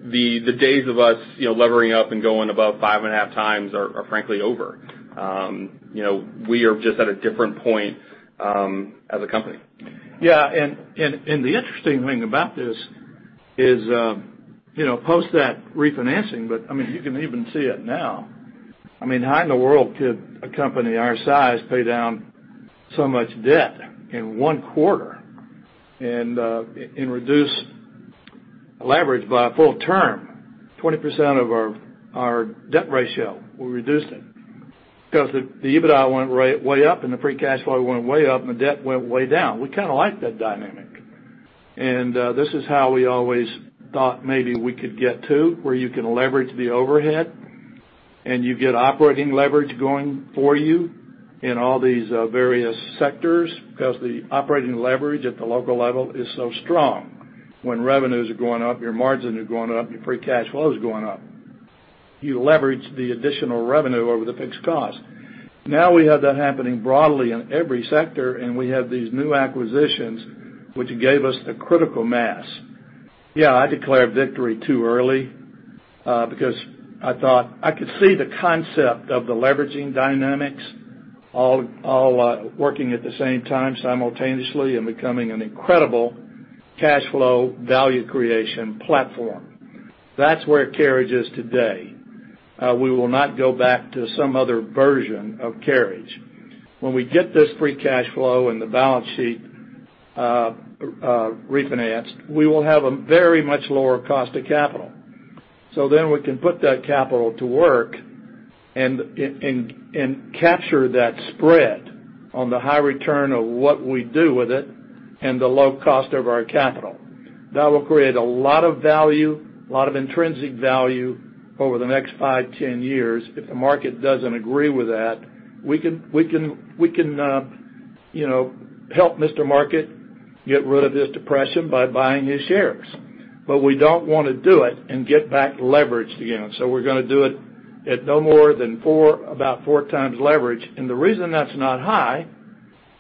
The days of us levering up and going above 5.5 times are frankly over. We are just at a different point as a company. Yeah. The interesting thing about this is post that refinancing, but you can even see it now. How in the world could a company our size pay down so much debt in one quarter and reduce leverage by a full term. 20% of our debt ratio, we reduced it because the EBITDA went way up and the free cash flow went way up and the debt went way down. We kind of like that dynamic. This is how we always thought maybe we could get to, where you can leverage the overhead and you get operating leverage going for you in all these various sectors because the operating leverage at the local level is so strong. When revenues are going up, your margins are going up, your free cash flow is going up. You leverage the additional revenue over the fixed cost. We have that happening broadly in every sector, we have these new acquisitions, which gave us the critical mass. Yeah, I declared victory too early, because I thought I could see the concept of the leveraging dynamics all working at the same time simultaneously and becoming an incredible cash flow value creation platform. That's where Carriage is today. We will not go back to some other version of Carriage. When we get this free cash flow and the balance sheet refinanced, we will have a very much lower cost of capital. We can put that capital to work and capture that spread on the high return of what we do with it and the low cost of our capital. That will create a lot of value, a lot of intrinsic value over the next five, 10 years. If the market doesn't agree with that, we can help Mr. Market get rid of his depression by buying his shares. We don't want to do it and get back leverage again. We're going to do it at no more than about four times leverage. The reason that's not high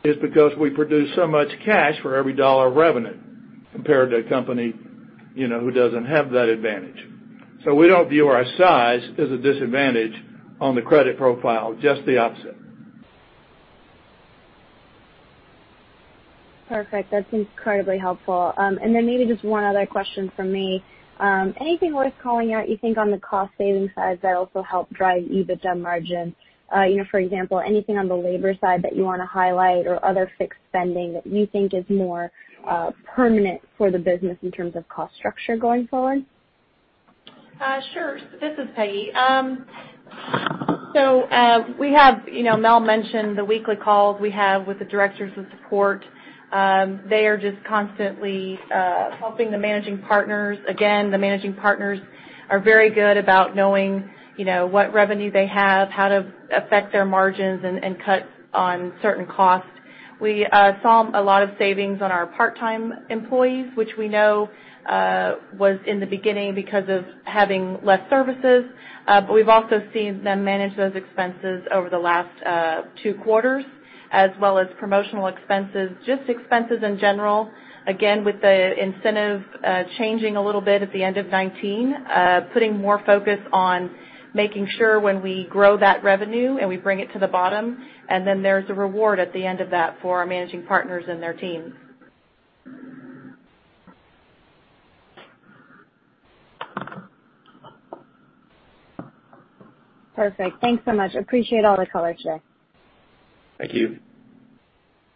is because we produce so much cash for every dollar of revenue compared to a company who doesn't have that advantage. We don't view our size as a disadvantage on the credit profile, just the opposite. Perfect. That's incredibly helpful. Maybe just one other question from me. Anything worth calling out, you think, on the cost saving side that also helped drive EBITDA margin? For example, anything on the labor side that you want to highlight or other fixed spending that you think is more permanent for the business in terms of cost structure going forward? Sure. This is Peggy. Mel mentioned the weekly calls we have with the Directors of Support. They are just constantly helping the managing partners. Again, the managing partners are very good about knowing what revenue they have, how to affect their margins, and cut on certain costs. We saw a lot of savings on our part-time employees, which we know was in the beginning because of having less services. We've also seen them manage those expenses over the last two quarters, as well as promotional expenses, just expenses in general. Again, with the incentive changing a little bit at the end of 2019, putting more focus on making sure when we grow that revenue and we bring it to the bottom, and then there's a reward at the end of that for our managing partners and their teams. Perfect. Thanks so much. Appreciate all the color, today. Thank you.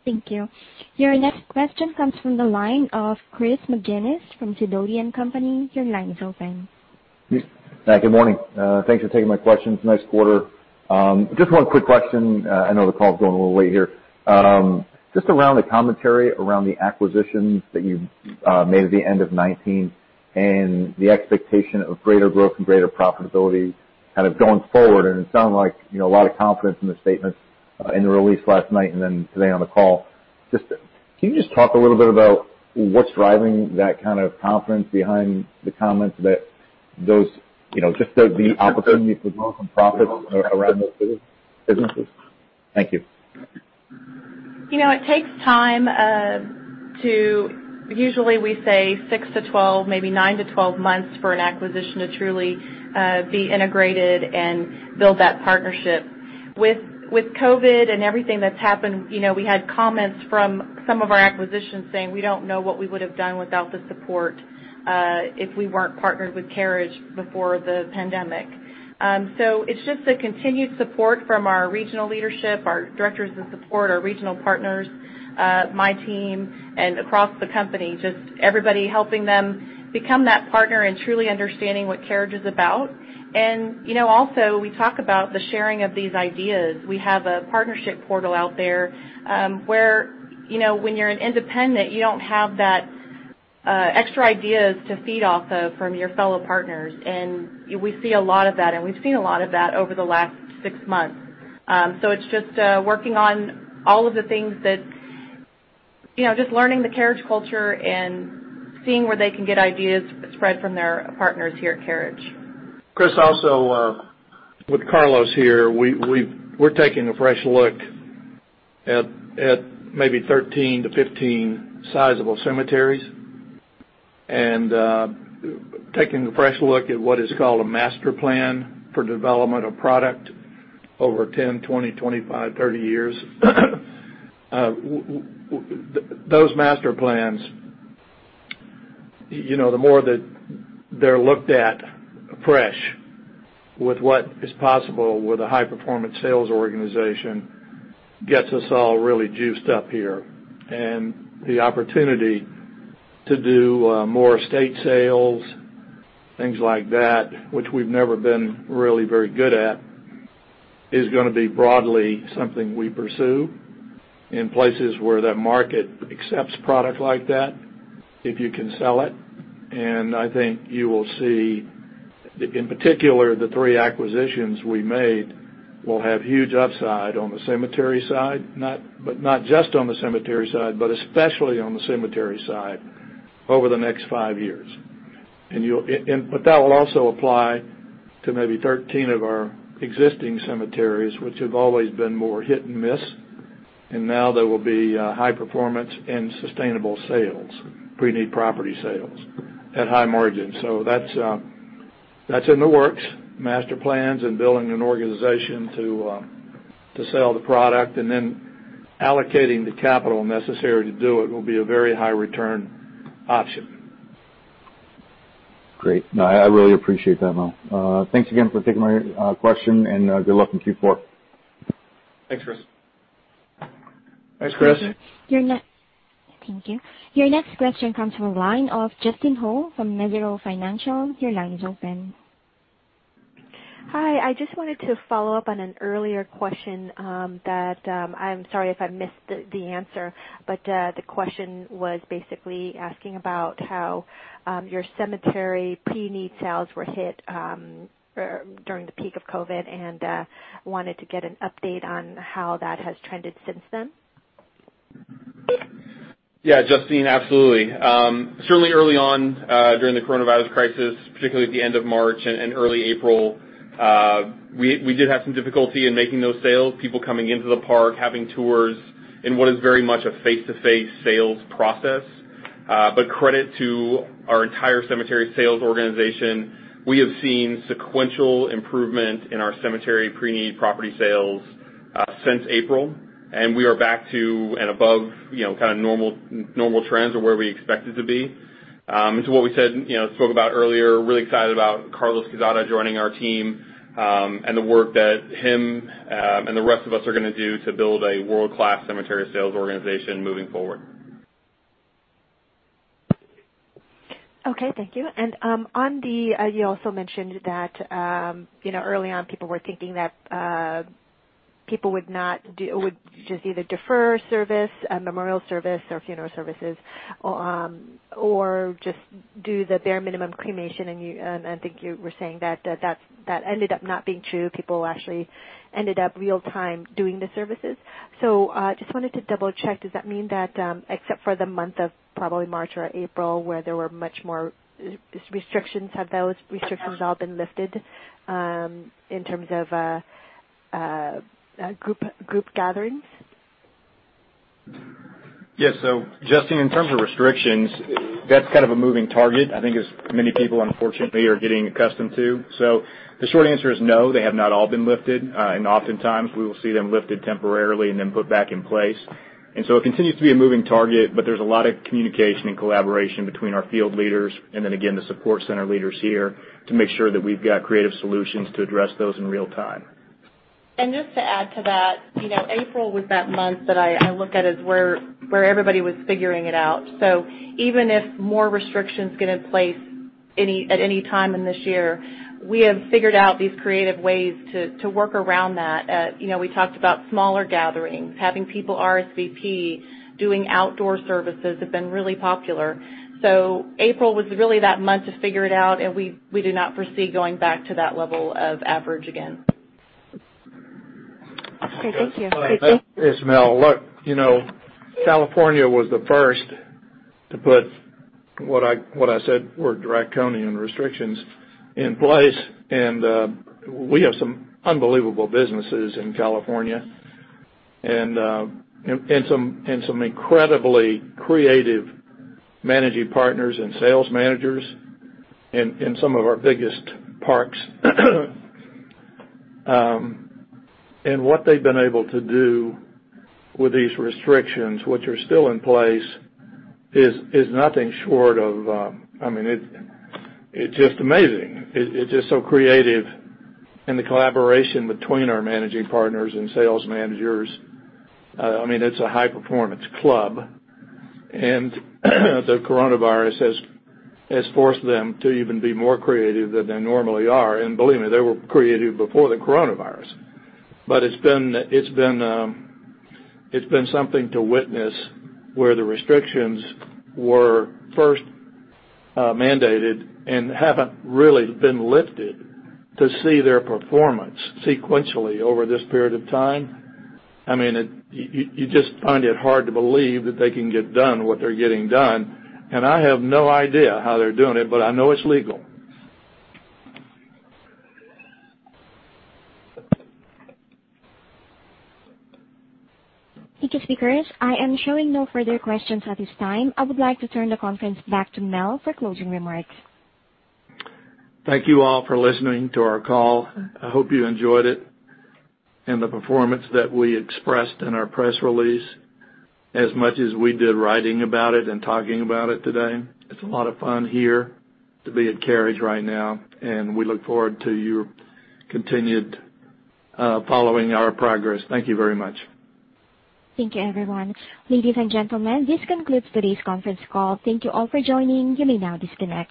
Thank you. Your next question comes from the line of Chris McGinnis from Sidoti & Company. Hi, good morning. Thanks for taking my questions. Nice quarter. Just one quick question. I know the call is going a little late here. Just around the commentary around the acquisitions that you made at the end of 2019 and the expectation of greater growth and greater profitability kind of going forward. It sounded like a lot of confidence in the statements in the release last night and then today on the call. Can you just talk a little bit about what's driving that kind of confidence behind the comments that just the opportunity for growth and profits around those businesses? Thank you. It takes time to usually we say six-12, maybe nine-12 months for an acquisition to truly be integrated and build that partnership. With COVID and everything that's happened, we had comments from some of our acquisitions saying, "We don't know what we would have done without the support, if we weren't partnered with Carriage before the pandemic." It's just the continued support from our regional leadership, our Directors of Support, our Regional Partners, my team, and across the company, just everybody helping them become that partner and truly understanding what Carriage is about. Also, we talk about the sharing of these ideas. We have a partnership portal out there, where when you're an independent, you don't have that extra ideas to feed off of from your fellow partners. We see a lot of that, and we've seen a lot of that over the last six months. It's just working on all of the things that just learning the Carriage culture and seeing where they can get ideas spread from their partners here at Carriage. Chris, also, with Carlos here, we're taking a fresh look at maybe 13 to 15 sizable cemeteries and taking a fresh look at what is called a master plan for development of product over 10, 20, 25, 30 years. Those master plans, the more that they're looked at fresh with what is possible with a high-performance sales organization gets us all really juiced up here. The opportunity to do more estate sales, things like that, which we've never been really very good at, is going to be broadly something we pursue in places where that market accepts product like that, if you can sell it. I think you will see, in particular, the three acquisitions we made will have huge upside on the cemetery side, but not just on the cemetery side, but especially on the cemetery side over the next five years. That will also apply to maybe 13 of our existing cemeteries, which have always been more hit-and-miss, and now there will be high performance and sustainable sales, preneed property sales at high margins. That's in the works, master plans and building an organization to sell the product and then allocating the capital necessary to do it will be a very high return option. Great. No, I really appreciate that, Mel. Thanks again for taking my question, and good luck in Q4. Thanks, Chris. Thanks, Chris. Thank you. Your next question comes from the line of Justine Ho from Mesirow Financial. Your line is open. Hi. I just wanted to follow up on an earlier question that, I'm sorry if I missed the answer, but the question was basically asking about how your cemetery pre-need sales were hit during the peak of COVID, and wanted to get an update on how that has trended since then. Yeah, Justine, absolutely. Certainly early on during the coronavirus crisis, particularly at the end of March and early April, we did have some difficulty in making those sales, people coming into the park, having tours in what is very much a face-to-face sales process. Credit to our entire cemetery sales organization, we have seen sequential improvement in our cemetery preneed property sales since April, and we are back to and above normal trends or where we expected to be. To what we spoke about earlier, really excited about Carlos Quezada joining our team, and the work that him and the rest of us are going to do to build a world-class cemetery sales organization moving forward. Okay, thank you. You also mentioned that early on, people were thinking that people would just either defer service, a memorial service or funeral services, or just do the bare minimum cremation, and I think you were saying that that ended up not being true. People actually ended up real-time doing the services. Just wanted to double-check, does that mean that except for the month of probably March or April, where there were much more restrictions, have those restrictions all been lifted in terms of group gatherings? Yes. Justine, in terms of restrictions, that's kind of a moving target, I think as many people, unfortunately, are getting accustomed to. The short answer is no, they have not all been lifted. Oftentimes we will see them lifted temporarily and then put back in place. It continues to be a moving target, but there's a lot of communication and collaboration between our field leaders and then again, the support center leaders here to make sure that we've got creative solutions to address those in real-time. Just to add to that, April was that month that I look at as where everybody was figuring it out. Even if more restrictions get in place at any time in this year, we have figured out these creative ways to work around that. We talked about smaller gatherings, having people RSVP, doing outdoor services have been really popular. April was really that month to figure it out, and we do not foresee going back to that level of average again. Okay. Thank you. Hey, it's Mel. Look, California was the first to put what I said were draconian restrictions in place, and we have some unbelievable businesses in California and some incredibly creative managing partners and sales managers in some of our biggest parks. What they've been able to do with these restrictions, which are still in place, is nothing short of. It's just amazing. It's just so creative. The collaboration between our managing partners and sales managers, it's a high-performance club. The coronavirus has forced them to even be more creative than they normally are. Believe me, they were creative before the coronavirus. It's been something to witness where the restrictions were first mandated and haven't really been lifted to see their performance sequentially over this period of time. You just find it hard to believe that they can get done what they're getting done. I have no idea how they're doing it. I know it's legal. Thank you, speakers. I am showing no further questions at this time. I would like to turn the conference back to Mel for closing remarks. Thank you all for listening to our call. I hope you enjoyed it and the performance that we expressed in our press release as much as we did writing about it and talking about it today. It's a lot of fun here to be at Carriage right now. We look forward to your continued following our progress. Thank you very much. Thank you, everyone. Ladies and gentlemen, this concludes today's conference call. Thank you all for joining. You may now disconnect.